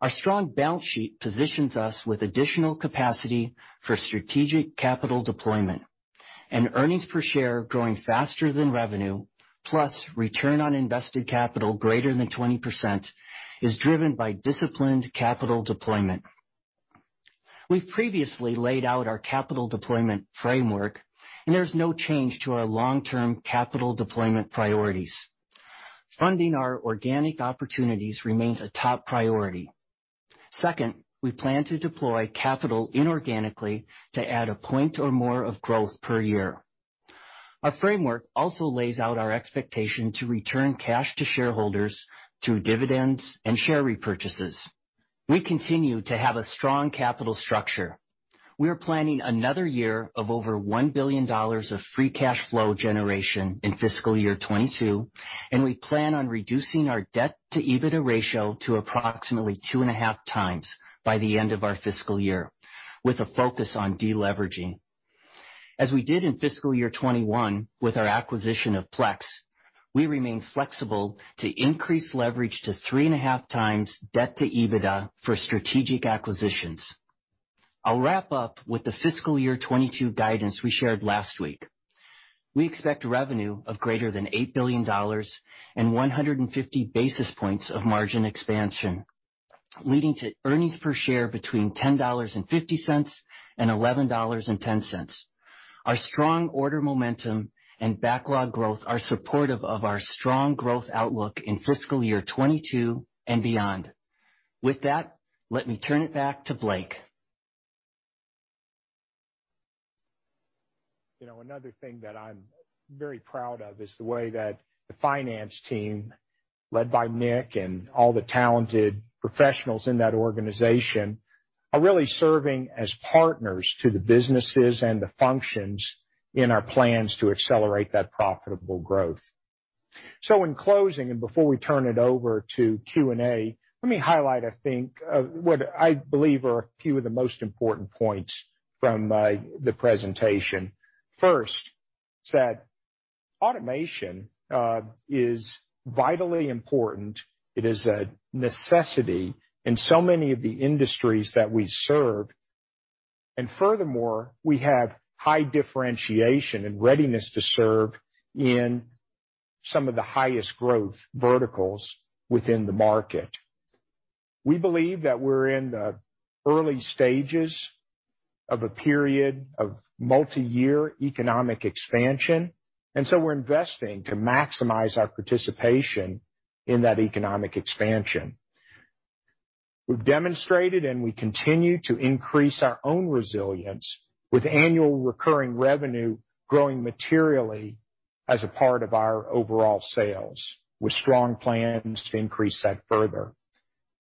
Our strong balance sheet positions us with additional capacity for strategic capital deployment. Earnings per share growing faster than revenue, plus return on invested capital greater than 20%, is driven by disciplined capital deployment. We've previously laid out our capital deployment framework, and there's no change to our long-term capital deployment priorities. Funding our organic opportunities remains a top priority. Second, we plan to deploy capital inorganically to add a point or more of growth per year. Our framework also lays out our expectation to return cash to shareholders through dividends and share repurchases. We continue to have a strong capital structure. We are planning another year of over $1 billion of free cash flow generation in fiscal year 2022, and we plan on reducing our debt-to-EBITDA ratio to approximately 2.5x by the end of our fiscal year, with a focus on deleveraging. As we did in fiscal year 2021 with our acquisition of Plex, we remain flexible to increase leverage to 3.5x debt to EBITDA for strategic acquisitions. I'll wrap up with the fiscal year 2022 guidance we shared last week. We expect revenue of greater than $8 billion and 150 basis points of margin expansion, leading to earnings per share between $10.50 and $11.10. Our strong order momentum and backlog growth are supportive of our strong growth outlook in fiscal year 2022 and beyond. With that, let me turn it back to Blake. You know, another thing that I'm very proud of is the way that the finance team, led by Nick and all the talented professionals in that organization, are really serving as partners to the businesses and the functions in our plans to accelerate that profitable growth. In closing, and before we turn it over to Q&A, let me highlight, I think, what I believe are a few of the most important points from the presentation. First, automation is vitally important. It is a necessity in so many of the industries that we serve. We have high differentiation and readiness to serve in some of the highest growth verticals within the market. We believe that we're in the early stages of a period of multiyear economic expansion, and so we're investing to maximize our participation in that economic expansion. We've demonstrated, and we continue to increase our own resilience with annual recurring revenue growing materially as a part of our overall sales, with strong plans to increase that further.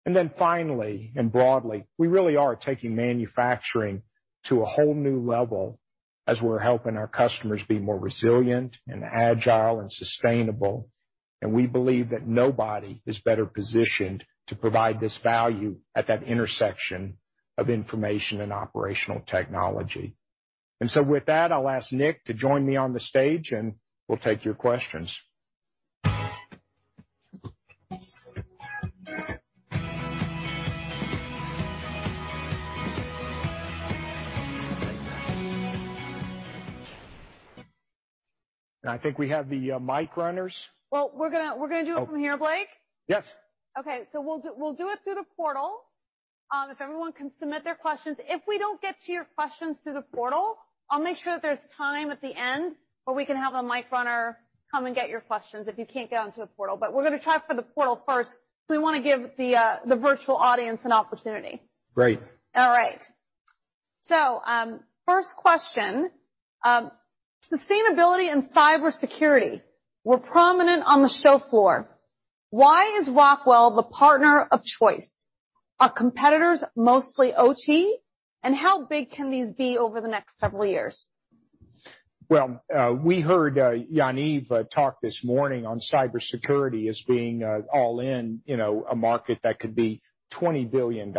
Then finally, and broadly, we really are taking manufacturing to a whole new level as we're helping our customers be more resilient, agile, and sustainable. We believe that nobody is better positioned to provide this value at that intersection of information and operational technology. With that, I'll ask Nick to join me on the stage, and we'll take your questions. I think we have the mic runners. Well, we're gonna do it from here, Blake. Yes. Okay. We'll do it through the portal. If everyone can submit their questions. If we don't get to your questions through the portal, I'll make sure that there's time at the end where we can have a mic runner come and get your questions if you can't get onto the portal. We're gonna try for the portal first, because we wanna give the virtual audience an opportunity. Great. All right. First question. Sustainability and cybersecurity were prominent on the show floor. Why is Rockwell the partner of choice? Are competitors mostly OT, and how big can these be over the next several years? Well, we heard Yaniv talk this morning on cybersecurity as being all in, you know, a market that could be $20 billion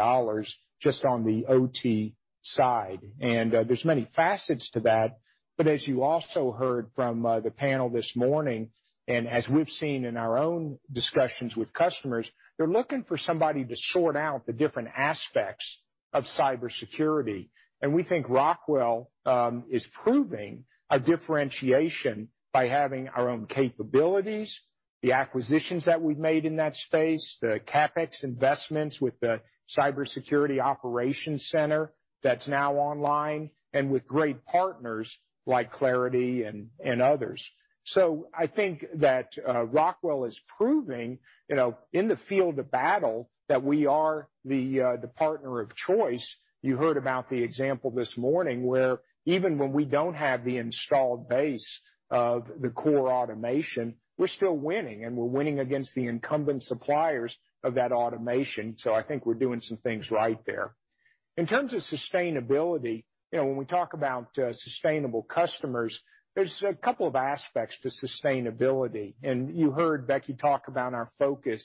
just on the OT side. There are many facets to that, but as you also heard from the panel this morning, and as we've seen in our own discussions with customers, they're looking for somebody to sort out the different aspects of cybersecurity. We think Rockwell is proving a differentiation by having our own capabilities, the acquisitions that we've made in that space, the CapEx investments with the cybersecurity operations center that's now online, and with great partners like Claroty and others. I think that Rockwell is proving, you know, in the field of battle, that we are the partner of choice. You heard about the example this morning, where even when we don't have the installed base of the core automation, we're still winning, and we're winning against the incumbent suppliers of that automation. I think we're doing some things right there. In terms of sustainability, you know, when we talk about sustainable customers, there are a couple of aspects to sustainability. You heard Becky talk about our focus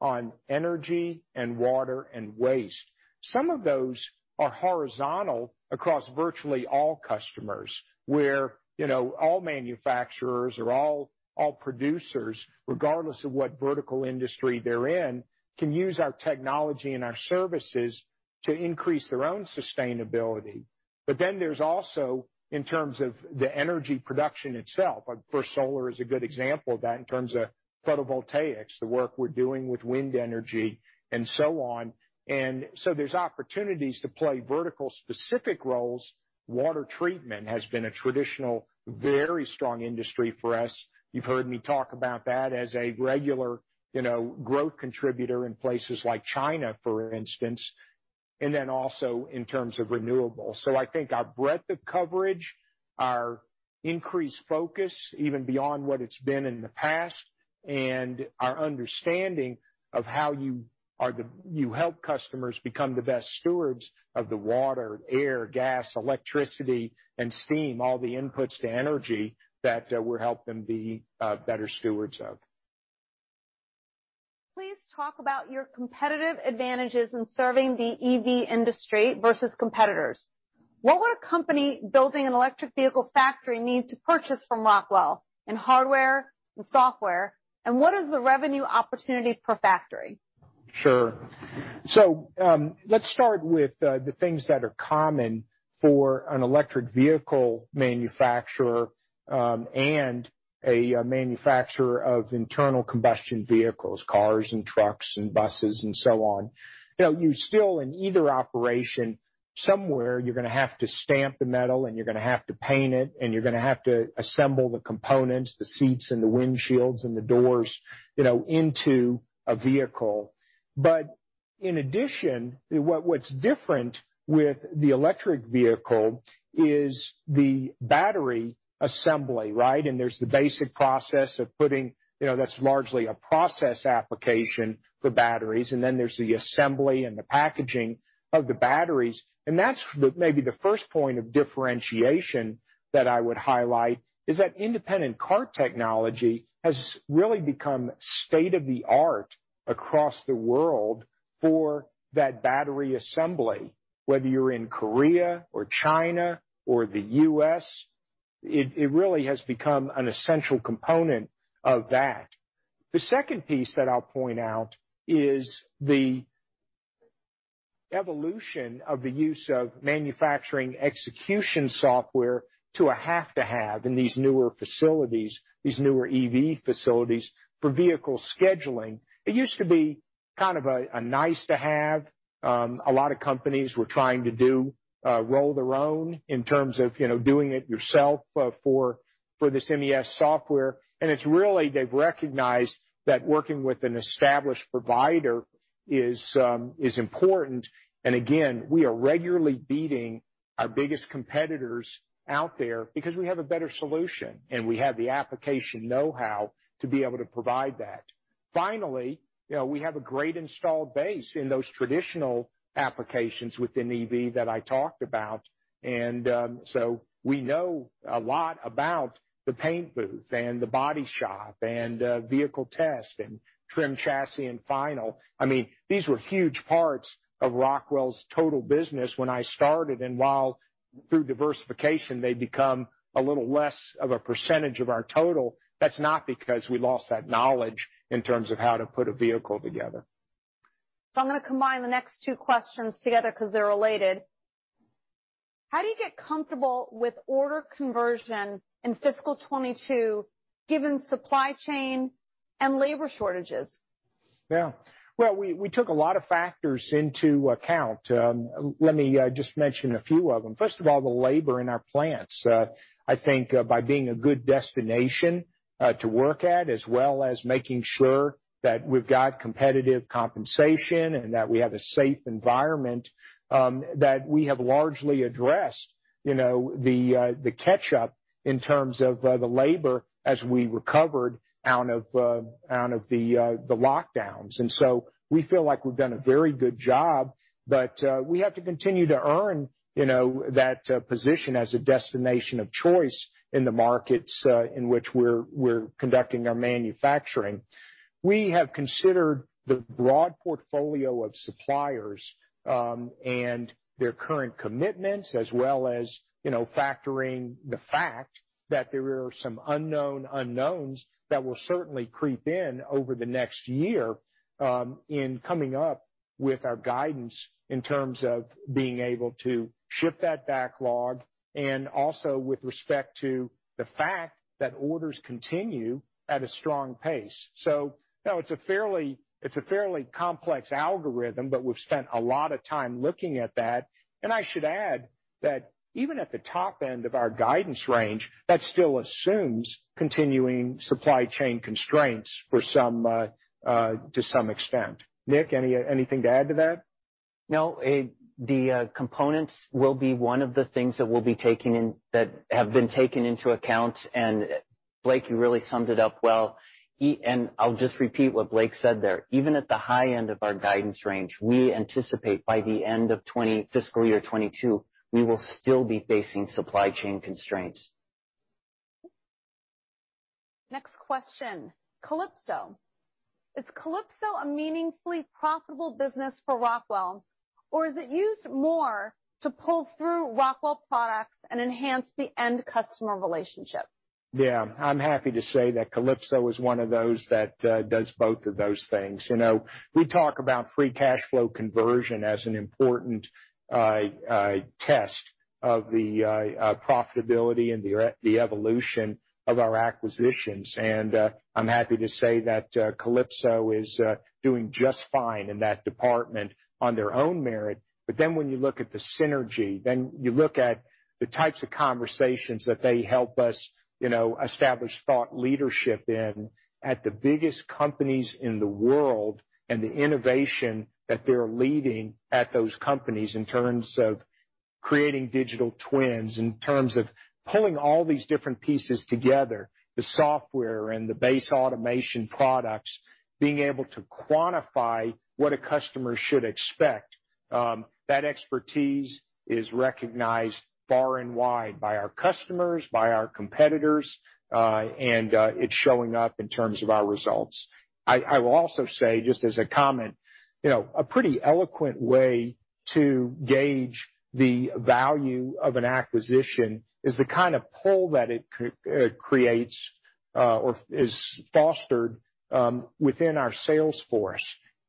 on energy, water, and waste. Some of those are horizontal across virtually all customers, where, you know, all manufacturers or all producers, regardless of what vertical industry they're in, can use our technology and our services to increase their own sustainability. There's also, in terms of the energy production itself, of course, solar is a good example of that in terms of photovoltaics, the work we're doing with wind energy, and so on. There are opportunities to play vertical-specific roles. Water treatment has been a traditional, very strong industry for us. You've heard me talk about that as a regular, you know, growth contributor in places like China, for instance, and then also in terms of renewables. I think our breadth of coverage, our increased focus even beyond what it's been in the past, and our understanding of how you help customers become the best stewards of the water, air, gas, electricity, and steam, all the inputs to energy that we're helping them be better stewards of. Please talk about your competitive advantages in serving the EV industry versus competitors. What would a company building an electric vehicle factory need to purchase from Rockwell in hardware and software? And what is the revenue opportunity per factory? Sure. Let's start with the things that are common for an electric vehicle manufacturer, and a manufacturer of internal combustion vehicles, cars, trucks, buses, and so on. You know, you're still in either operation, somewhere you're gonna have to stamp the metal, and you're gonna have to paint it, and you're gonna have to assemble the components, the seats and the windshields and the doors, you know, into a vehicle. In addition, what's different about the electric vehicle is the battery assembly, right? There's the basic process of putting, you know, that's largely a process application for batteries. Then there's the assembly and the packaging of the batteries. That's maybe the first point of differentiation that I would highlight is that independent cart technology has really become state-of-the-art across the world for that battery assembly, whether you're in Korea or China or the U.S., it really has become an essential component of that. The second piece that I'll point out is the evolution of the use of manufacturing execution software to a have-to-have in these newer facilities, these newer EV facilities for vehicle scheduling. It used to be kind of a nice-to-have. A lot of companies were trying to roll their own in terms of, you know, doing it yourself, for this MES software. They've really recognized that working with an established provider is important. Again, we are regularly beating our biggest competitors out there because we have a better solution, and we have the application know-how to be able to provide that. Finally, you know, we have a great installed base in those traditional applications within EV that I talked about. So we know a lot about the paint booth, the body shop, and vehicle test, the trim chassis, and the final. I mean, these were huge parts of Rockwell's total business when I started, and while through diversification they become a little less of a percentage of our total, that's not because we lost that knowledge in terms of how to put a vehicle together. I'm gonna combine the next two questions together 'cause they're related. How do you get comfortable with order conversion in fiscal 2022, given supply chain and labor shortages? Yeah. Well, we took a lot of factors into account. Let me just mention a few of them. First of all, the labor in our plants. I think by being a good destination to work at, as well as making sure that we've got competitive compensation and that we have a safe environment, we have largely addressed, you know, the catch-up in terms of the labor as we recovered out of the lockdowns. We feel like we've done a very good job, but we have to continue to earn, you know, that position as a destination of choice in the markets in which we're conducting our manufacturing. We have considered the broad portfolio of suppliers and their current commitments, as well as, you know, factoring in the fact that there are some unknown unknowns that will certainly creep in over the next year in coming up with our guidance in terms of being able to ship that backlog and also with respect to the fact that orders continue at a strong pace. You know, it's a fairly complex algorithm, but we've spent a lot of time looking at that. I should add that even at the top end of our guidance range, that still assumes continuing supply chain constraints to some extent. Nick, anything to add to that? No, the components will be one of the things that have been taken into account. Blake, you really summed it up well. I'll just repeat what Blake said there. Even at the high end of our guidance range, we anticipate by the end of fiscal year 2022, we will still be facing supply chain constraints. Next question. Kalypso. Is Kalypso a meaningfully profitable business for Rockwell, or is it used more to pull through Rockwell products and enhance the end customer relationship? Yeah. I'm happy to say that Kalypso is one of those that does both of those things. You know, we talk about free cash flow conversion as an important test of the profitability and the evolution of our acquisitions. I'm happy to say that Kalypso is doing just fine in that department on its own merit. When you look at the synergy, then you look at the types of conversations that they help us, you know, establish thought leadership in at the biggest companies in the world, and the innovation that they're leading at those companies in terms of creating digital twins in terms of pulling all these different pieces together, the software and the base automation products, being able to quantify what a customer should expect, that expertise is recognized far and wide by our customers, by our competitors, and it's showing up in terms of our results. I will also say, just as a comment, you know, a pretty eloquent way to gauge the value of an acquisition is the kind of pull that it creates, or is fostered, within our sales force.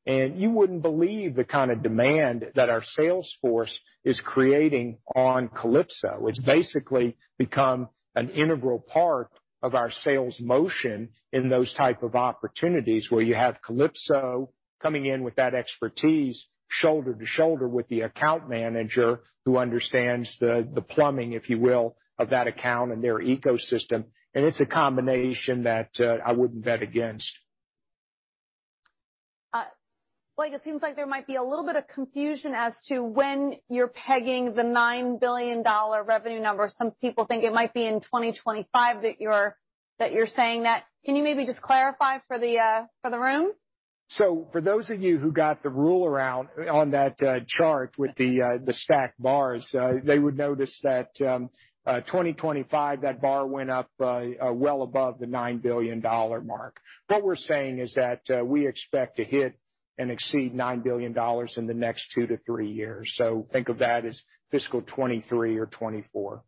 You wouldn't believe the kind of demand that our sales force is creating on Kalypso. It's basically become an integral part of our sales motion in those types of opportunities where you have Kalypso coming in with that expertise, shoulder to shoulder with the account manager who understands the plumbing, if you will, of that account and their ecosystem. It's a combination that I wouldn't bet against. Blake, it seems like there might be a little bit of confusion as to when you're pegging the $9 billion revenue number. Some people think it might be in 2025 that you're saying that. Can you maybe just clarify for the room? For those of you who got the ruler out on that chart with the stacked bars, you would notice that in 2025, that bar went up well above the $9 billion mark. What we're saying is that we expect to hit and exceed $9 billion in the next two to three years. Think of that as fiscal 2023 or 2024.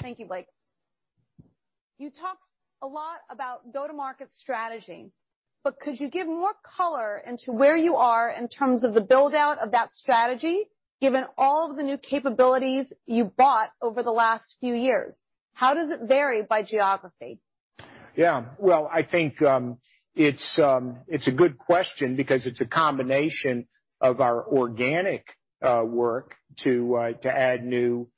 Thank you, Blake. You talked a lot about go-to-market strategy, but could you give more color on where you are in terms of the build-out of that strategy, given all of the new capabilities you bought over the last few years? How does it vary by geography? Yeah. Well, I think it's a good question because it's a combination of our organic work to add new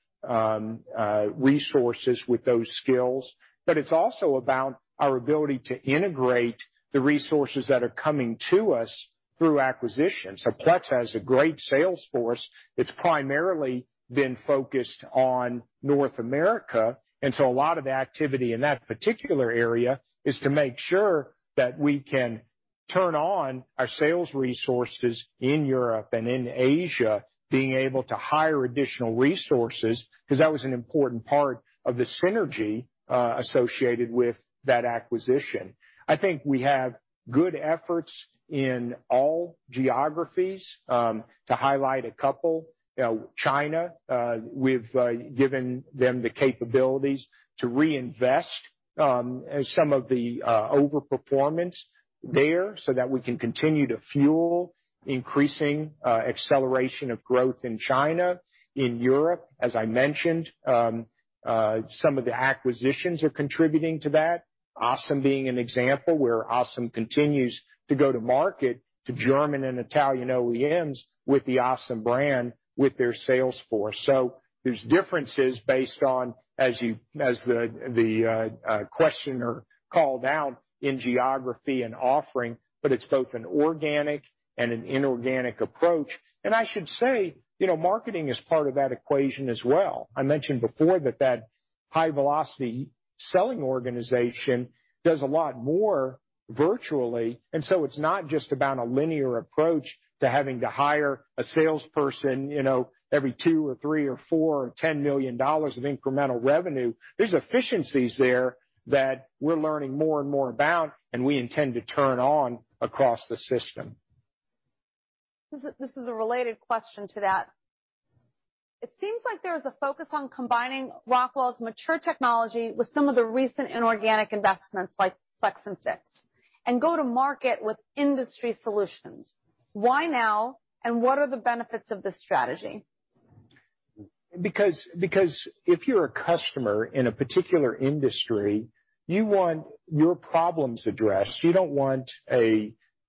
resources with those skills. It's also about our ability to integrate the resources that are coming to us through acquisition. Plex has a great sales force. It's primarily been focused on North America, and so a lot of activity in that particular area is to make sure that we can turn on our sales resources in Europe and in Asia, being able to hire additional resources, 'cause that was an important part of the synergy associated with that acquisition. I think we have good efforts in all geographies. To highlight a couple, China, we've given them the capabilities to reinvest some of the over-performance there so that we can continue to fuel the increasing acceleration of growth in China. In Europe, as I mentioned, some of the acquisitions are contributing to that, ASEM being an example where ASEM continues to go to market to German and Italian OEMs with the ASEM brand with their sales force. So there are differences based on, as the questioner called out in geography and offering, but it's both an organic and an inorganic approach. I should say, you know, marketing is part of that equation as well. I mentioned before that a high-velocity selling organization does a lot more virtually, and so it's not just about a linear approach to having to hire a salesperson, you know, every $2 million or $3 million or $4 million or $10 million of incremental revenue. There's efficiencies there that we're learning more and more about, and we intend to turn on across the system. This is a related question to that. It seems like there is a focus on combining Rockwell's mature technology with some of the recent inorganic investments like Plex and Fiix, and go to market with industry solutions. Why now, and what are the benefits of this strategy? If you're a customer in a particular industry, you want your problems addressed. You don't want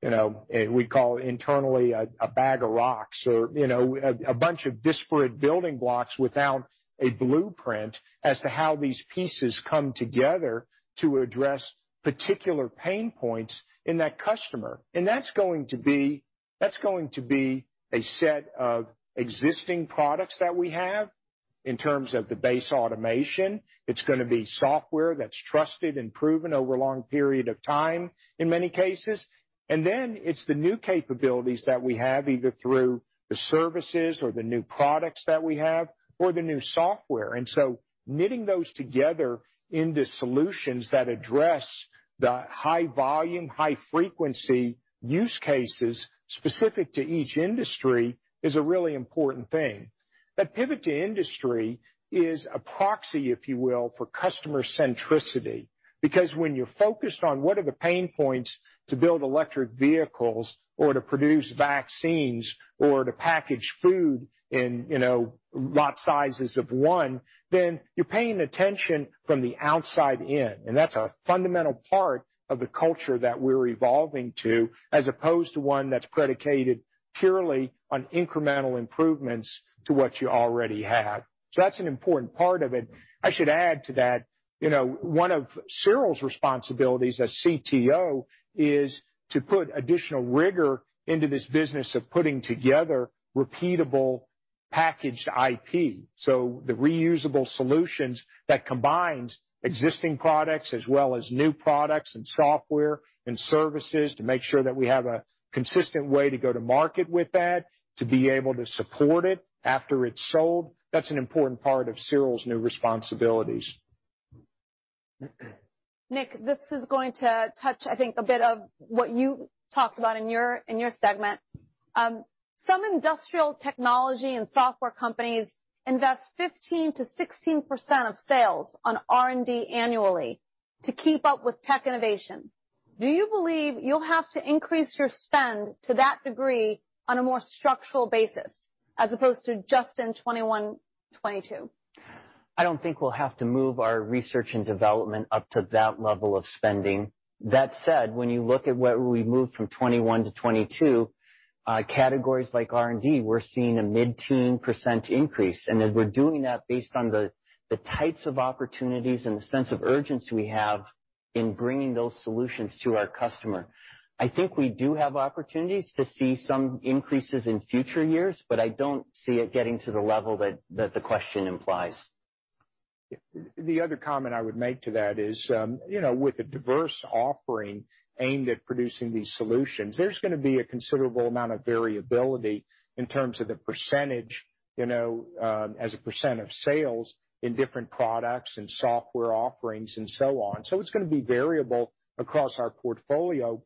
you know, we call a bag of rocks internally, or, you know, a bunch of disparate building blocks without a blueprint as to how these pieces come together to address particular pain points in that customer. That's going to be a set of existing products that we have in terms of the base automation. It's gonna be software that's trusted and proven over a long period of time in many cases. Then it's the new capabilities that we have, either through the services or the new products that we have, or the new software. Knitting those together into solutions that address the high volume, high frequency use cases specific to each industry is a really important thing. That pivot to industry is a proxy, if you will, for customer centricity. Because when you're focused on what are the pain points to build electric vehicles or to produce vaccines or to package food in, you know, lot sizes of one, then you're paying attention from the outside in, and that's a fundamental part of the culture that we're evolving to, as opposed to one that's predicated purely on incremental improvements to what you already have. That's an important part of it. I should add to that. You know, one of Cyril's responsibilities as CTO is to put additional rigor into this business of putting together repeatable packaged IP. The reusable solutions that combine existing products as well as new products, software, and services to make sure that we have a consistent way to go to market with that, to be able to support it after it's sold. That's an important part of Cyril's new responsibilities. Nick, this is going to touch, I think, a bit of what you talked about in your segment. Some industrial technology and software companies invest 15%-16% of sales in R&D annually to keep up with tech innovation. Do you believe you'll have to increase your spend to that degree on a more structural basis as opposed to just in 2021, 2022? I don't think we'll have to move our research and development up to that level of spending. That said, when you look at where we moved from 2021 to 2022, categories like R&D, we're seeing a mid-teen percent increase, and we're doing that based on the types of opportunities and the sense of urgency we have in bringing those solutions to our customers. I think we do have opportunities to see some increases in future years, but I don't see it getting to the level that the question implies. The other comment I would make to that is, you know, with a diverse offering aimed at producing these solutions, there's gonna be a considerable amount of variability in terms of the percentage, you know, as a percent of sales in different products and software offerings and so on. It's gonna be variable across our portfolio.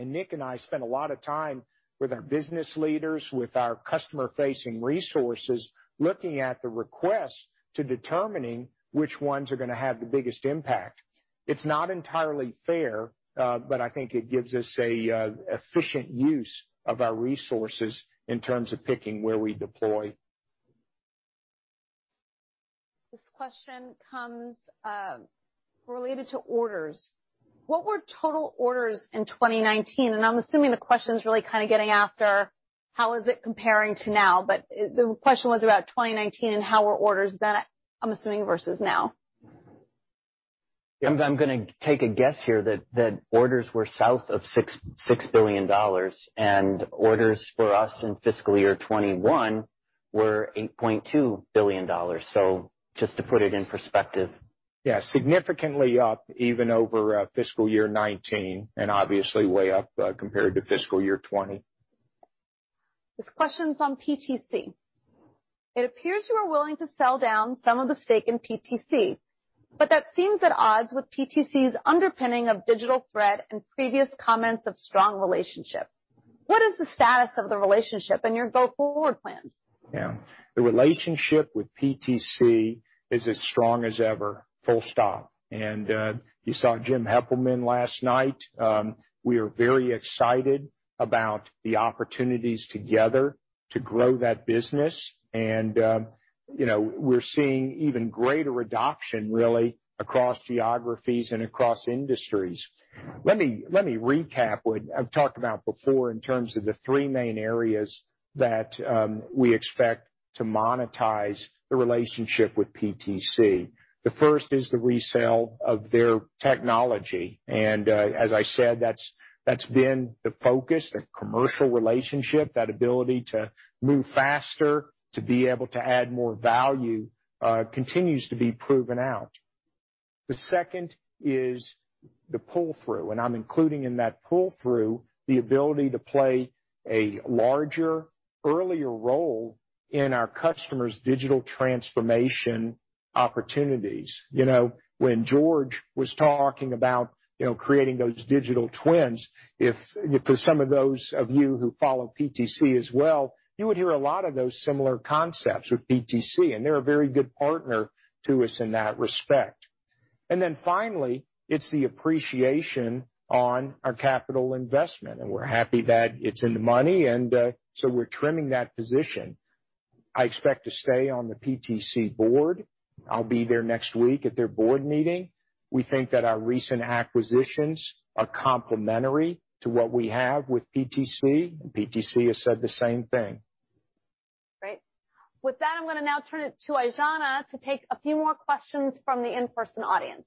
Nick and I spend a lot of time with our business leaders, with our customer-facing resources, looking at the requests to determine which ones are gonna have the biggest impact. It's not entirely fair, but I think it gives us an efficient use of our resources in terms of picking where we deploy. This question is related to orders. What were the total orders in 2019? I'm assuming the question's really kind of getting after how is it comparing to now. The question was about 2019 and how orders were then, I'm assuming, versus now. I'm gonna take a guess here that orders were south of $6 billion, and orders for us in fiscal year 2021 were $8.2 billion. Just to put it in perspective. Yeah, significantly up even over fiscal year 2019 and obviously way up compared to fiscal year 2020. This question's on PTC. It appears you are willing to sell down some of the stake in PTC, but that seems at odds with PTC's underpinning of the digital thread and previous comments of a strong relationship. What is the status of the relationship and your go-forward plans? Yeah. The relationship with PTC is as strong as ever, full stop. You saw Jim Heppelmann last night. We are very excited about the opportunities together to grow that business and, you know, we're seeing even greater adoption, really, across geographies and across industries. Let me recap what I've talked about before in terms of the three main areas that we expect to monetize the relationship with PTC. The first is the resale of their technology, and as I said, that's been the focus, the commercial relationship, that ability to move faster, to be able to add more value, continues to be proven out. The second is the pull-through, and I'm including in that pull-through the ability to play a larger, earlier role in our customers' digital transformation opportunities. You know, when George was talking about, you know, creating those digital twins, if for some of you who follow PTC as well, you would hear a lot of those similar concepts with PTC, and they're a very good partner to us in that respect. Finally, it's the appreciation of our capital investment, and we're happy that it's in the money, so we're trimming that position. I expect to stay on the PTC board. I'll be there next week at their board meeting. We think that our recent acquisitions are complementary to what we have with PTC. PTC has said the same thing. Great. With that, I'm gonna now turn it over to Aijana to take a few more questions from the in-person audience.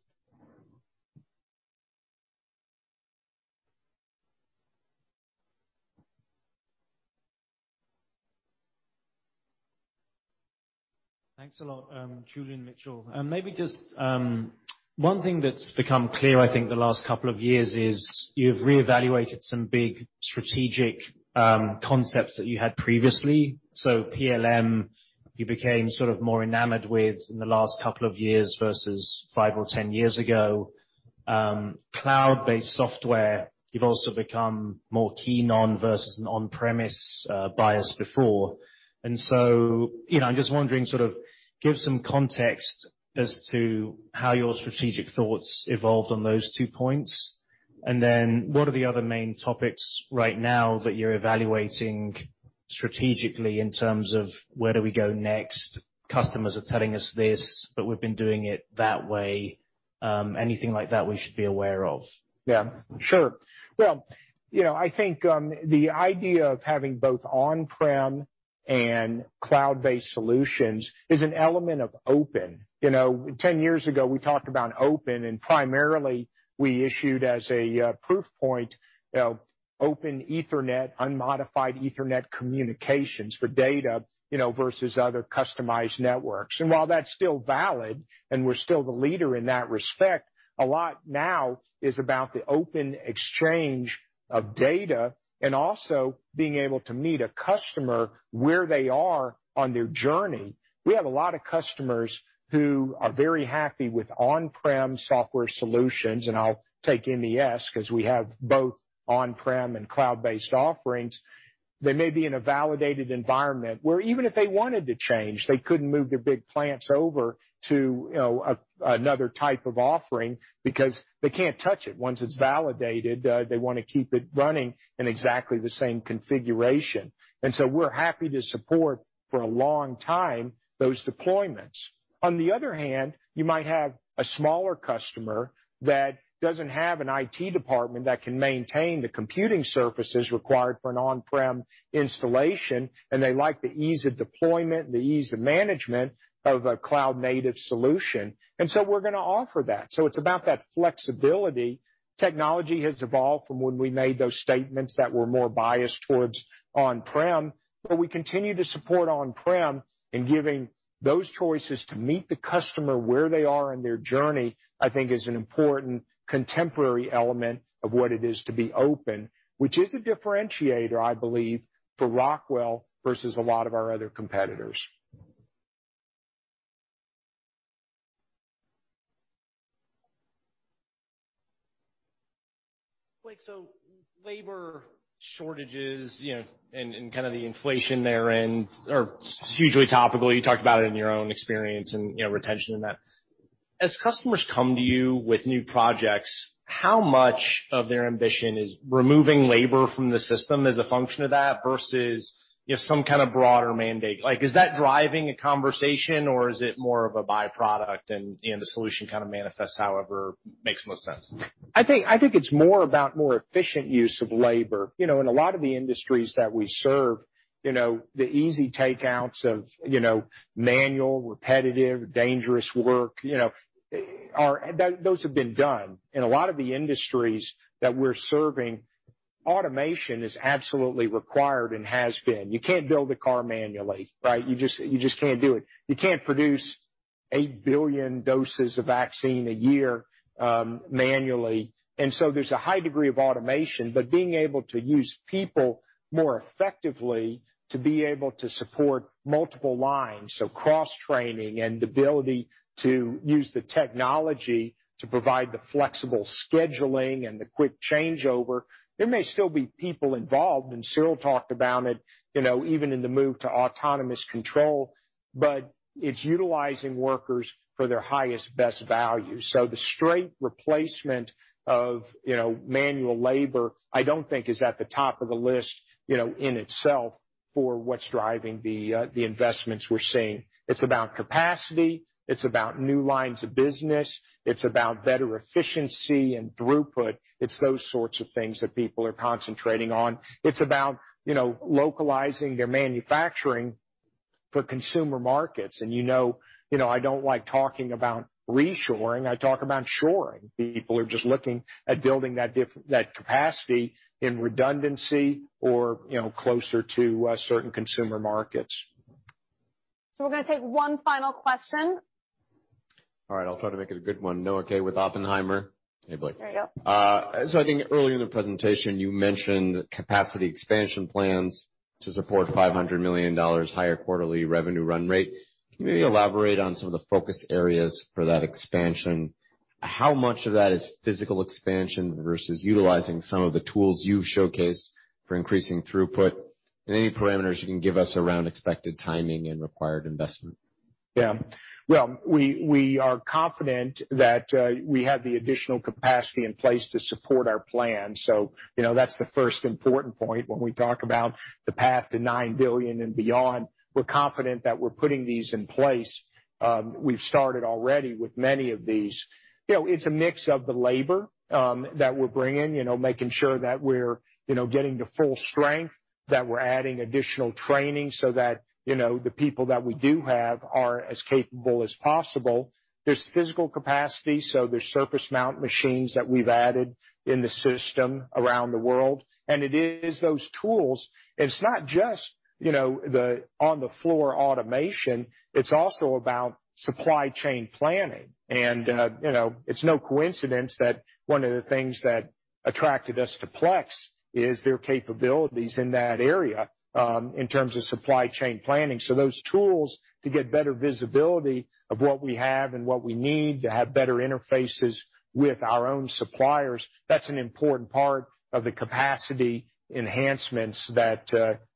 Thanks a lot. Julian Mitchell. Maybe just one thing that's become clear, I think, the last couple of years is you've reevaluated some big strategic concepts that you had previously. PLM, you became sort of more enamored with it in the last couple of years versus five or ten years ago. Cloud-based software, you've also become more keen on versus an on-premise bias before. You know, I'm just wondering, sort of give some context as to how your strategic thoughts evolved on those two points. And then what are the other main topics right now that you're evaluating strategically in terms of where do we go next? Customers are telling us this, but we've been doing it that way. Anything like that we should be aware of? Yeah, sure. Well, you know, I think the idea of having both on-prem and cloud-based solutions is an element of openness. You know, 10 years ago, we talked about open, and primarily we issued as a proof point, you know, open Ethernet, unmodified Ethernet communications for data, you know, versus other customized networks. While that's still valid, and we're still the leader in that respect, a lot now is about the open exchange of data and also being able to meet a customer where they are on their journey. We have a lot of customers who are very happy with on-prem software solutions, and I'll take MES 'cause we have both on-prem and cloud-based offerings. They may be in a validated environment where even if they wanted to change, they couldn't move their big plants over to, you know, another type of offering because they can't touch it. Once it's validated, they wanna keep it running in exactly the same configuration. We're happy to support, for a long time, those deployments. On the other hand, you might have a smaller customer that doesn't have an IT department that can maintain the computing surfaces required for an on-prem installation, and they like the ease of deployment, the ease of management of a cloud-native solution. We're gonna offer that. It's about that flexibility. Technology has evolved from when we made those statements that were more biased towards on-prem, but we continue to support on-prem. Giving those choices to meet the customer where they are in their journey, I think, is an important contemporary element of what it is to be open, which is a differentiator, I believe, for Rockwell versus a lot of our other competitors. Blake, labor shortages, you know, and kind of the inflation therein are hugely topical. You talked about it in your own experience, you know, retention in that. As customers come to you with new projects, how much of their ambition is removing labor from the system as a function of that, versus, you know, some kind of broader mandate? Like, is that driving a conversation or is it more of a byproduct and, you know, the solution kind of manifests, however it makes most sense? I think it's more about the efficient use of labor. You know, in a lot of the industries that we serve, you know, the easy take-outs of, you know, manual, repetitive, dangerous work, you know, have been done. In a lot of the industries that we're serving, automation is absolutely required and has been. You can't build a car manually, right? You just can't do it. You can't produce 8 billion doses of vaccine a year, manually. There's a high degree of automation, but being able to use people more effectively to be able to support multiple lines, so cross-training and the ability to use the technology to provide flexible scheduling and quick changeover. There may still be people involved, and Cyril talked about it, you know, even in the move to autonomous control, but it's utilizing workers for their highest, best value. The straight replacement of, you know, manual labor, I don't think is at the top of the list, you know, in itself, for what's driving the investments we're seeing. It's about capacity. It's about new lines of business. It's about better efficiency and throughput. It's those sorts of things that people are concentrating on. It's about, you know, localizing their manufacturing for consumer markets. You know, you know I don't like talking about reshoring. I talk about shoring. People are just looking at building that capacity in redundancy or, you know, closer to certain consumer markets. We're gonna take one final question. All right, I'll try to make it a good one. Noah Kaye with Oppenheimer. Hey, Blake. There you go. I think early in the presentation, you mentioned capacity expansion plans to support a $500 million higher quarterly revenue run rate. Can you elaborate on some of the focus areas for that expansion? How much of that is physical expansion versus utilizing some of the tools you've showcased for increasing throughput? Any parameters you can give us around expected timing and required investment? Yeah. Well, we are confident that we have the additional capacity in place to support our plan. You know, that's the first important point when we talk about the path to $9 billion and beyond. We're confident that we're putting these in place. We've already started with many of these. You know, it's a mix of the labor that we're bringing, you know, making sure that we're, you know, getting to full strength, that we're adding additional training so that, you know, the people that we do have are as capable as possible. There's physical capacity, so there's surface mount machines that we've added in the system around the world. It is those tools. It's not just, you know, the on-the-floor automation. It's also about supply chain planning. You know, it's no coincidence that one of the things that attracted us to Plex is their capabilities in that area, in terms of supply chain planning. Those tools to get better visibility of what we have and what we need to have better interfaces with our own suppliers, that's an important part of the capacity enhancements that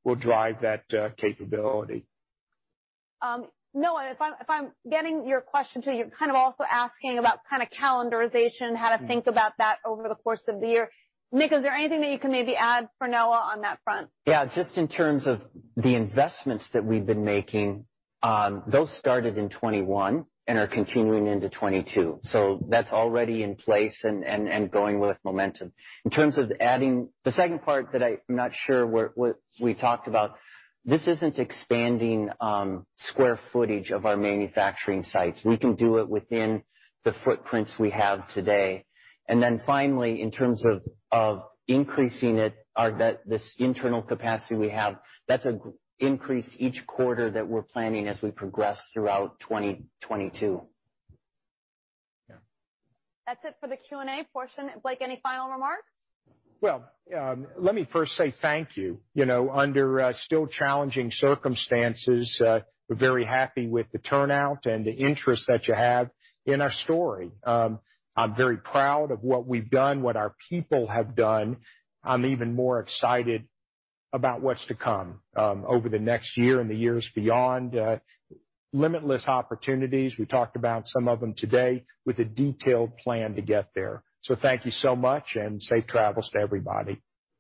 will drive that capability. Noah, if I'm getting your question too, you're kind of also asking about kind of calendarization, how to think about that over the course of the year. Nick, is there anything that you can maybe add for Noah on that front? Yeah. Just in terms of the investments that we've been making, those started in 2021 and are continuing into 2022. That's already in place and going with momentum. In terms of adding the second part, I'm not sure what we talked about. This isn't expanding the square footage of our manufacturing sites. We can do it within the footprints we have today. Then finally, in terms of increasing it, this internal capacity we have, that's an increase each quarter that we're planning as we progress throughout 2022. Yeah. That's it for the Q&A portion. Blake, any final remarks? Well, let me first say thank you. You know, under still challenging circumstances, we're very happy with the turnout and the interest that you have in our story. I'm very proud of what we've done, what our people have done. I'm even more excited about what's to come over the next year and the years beyond. Limitless opportunities, we talked about some of them today, with a detailed plan to get there. Thank you so much and safe travels to everybody.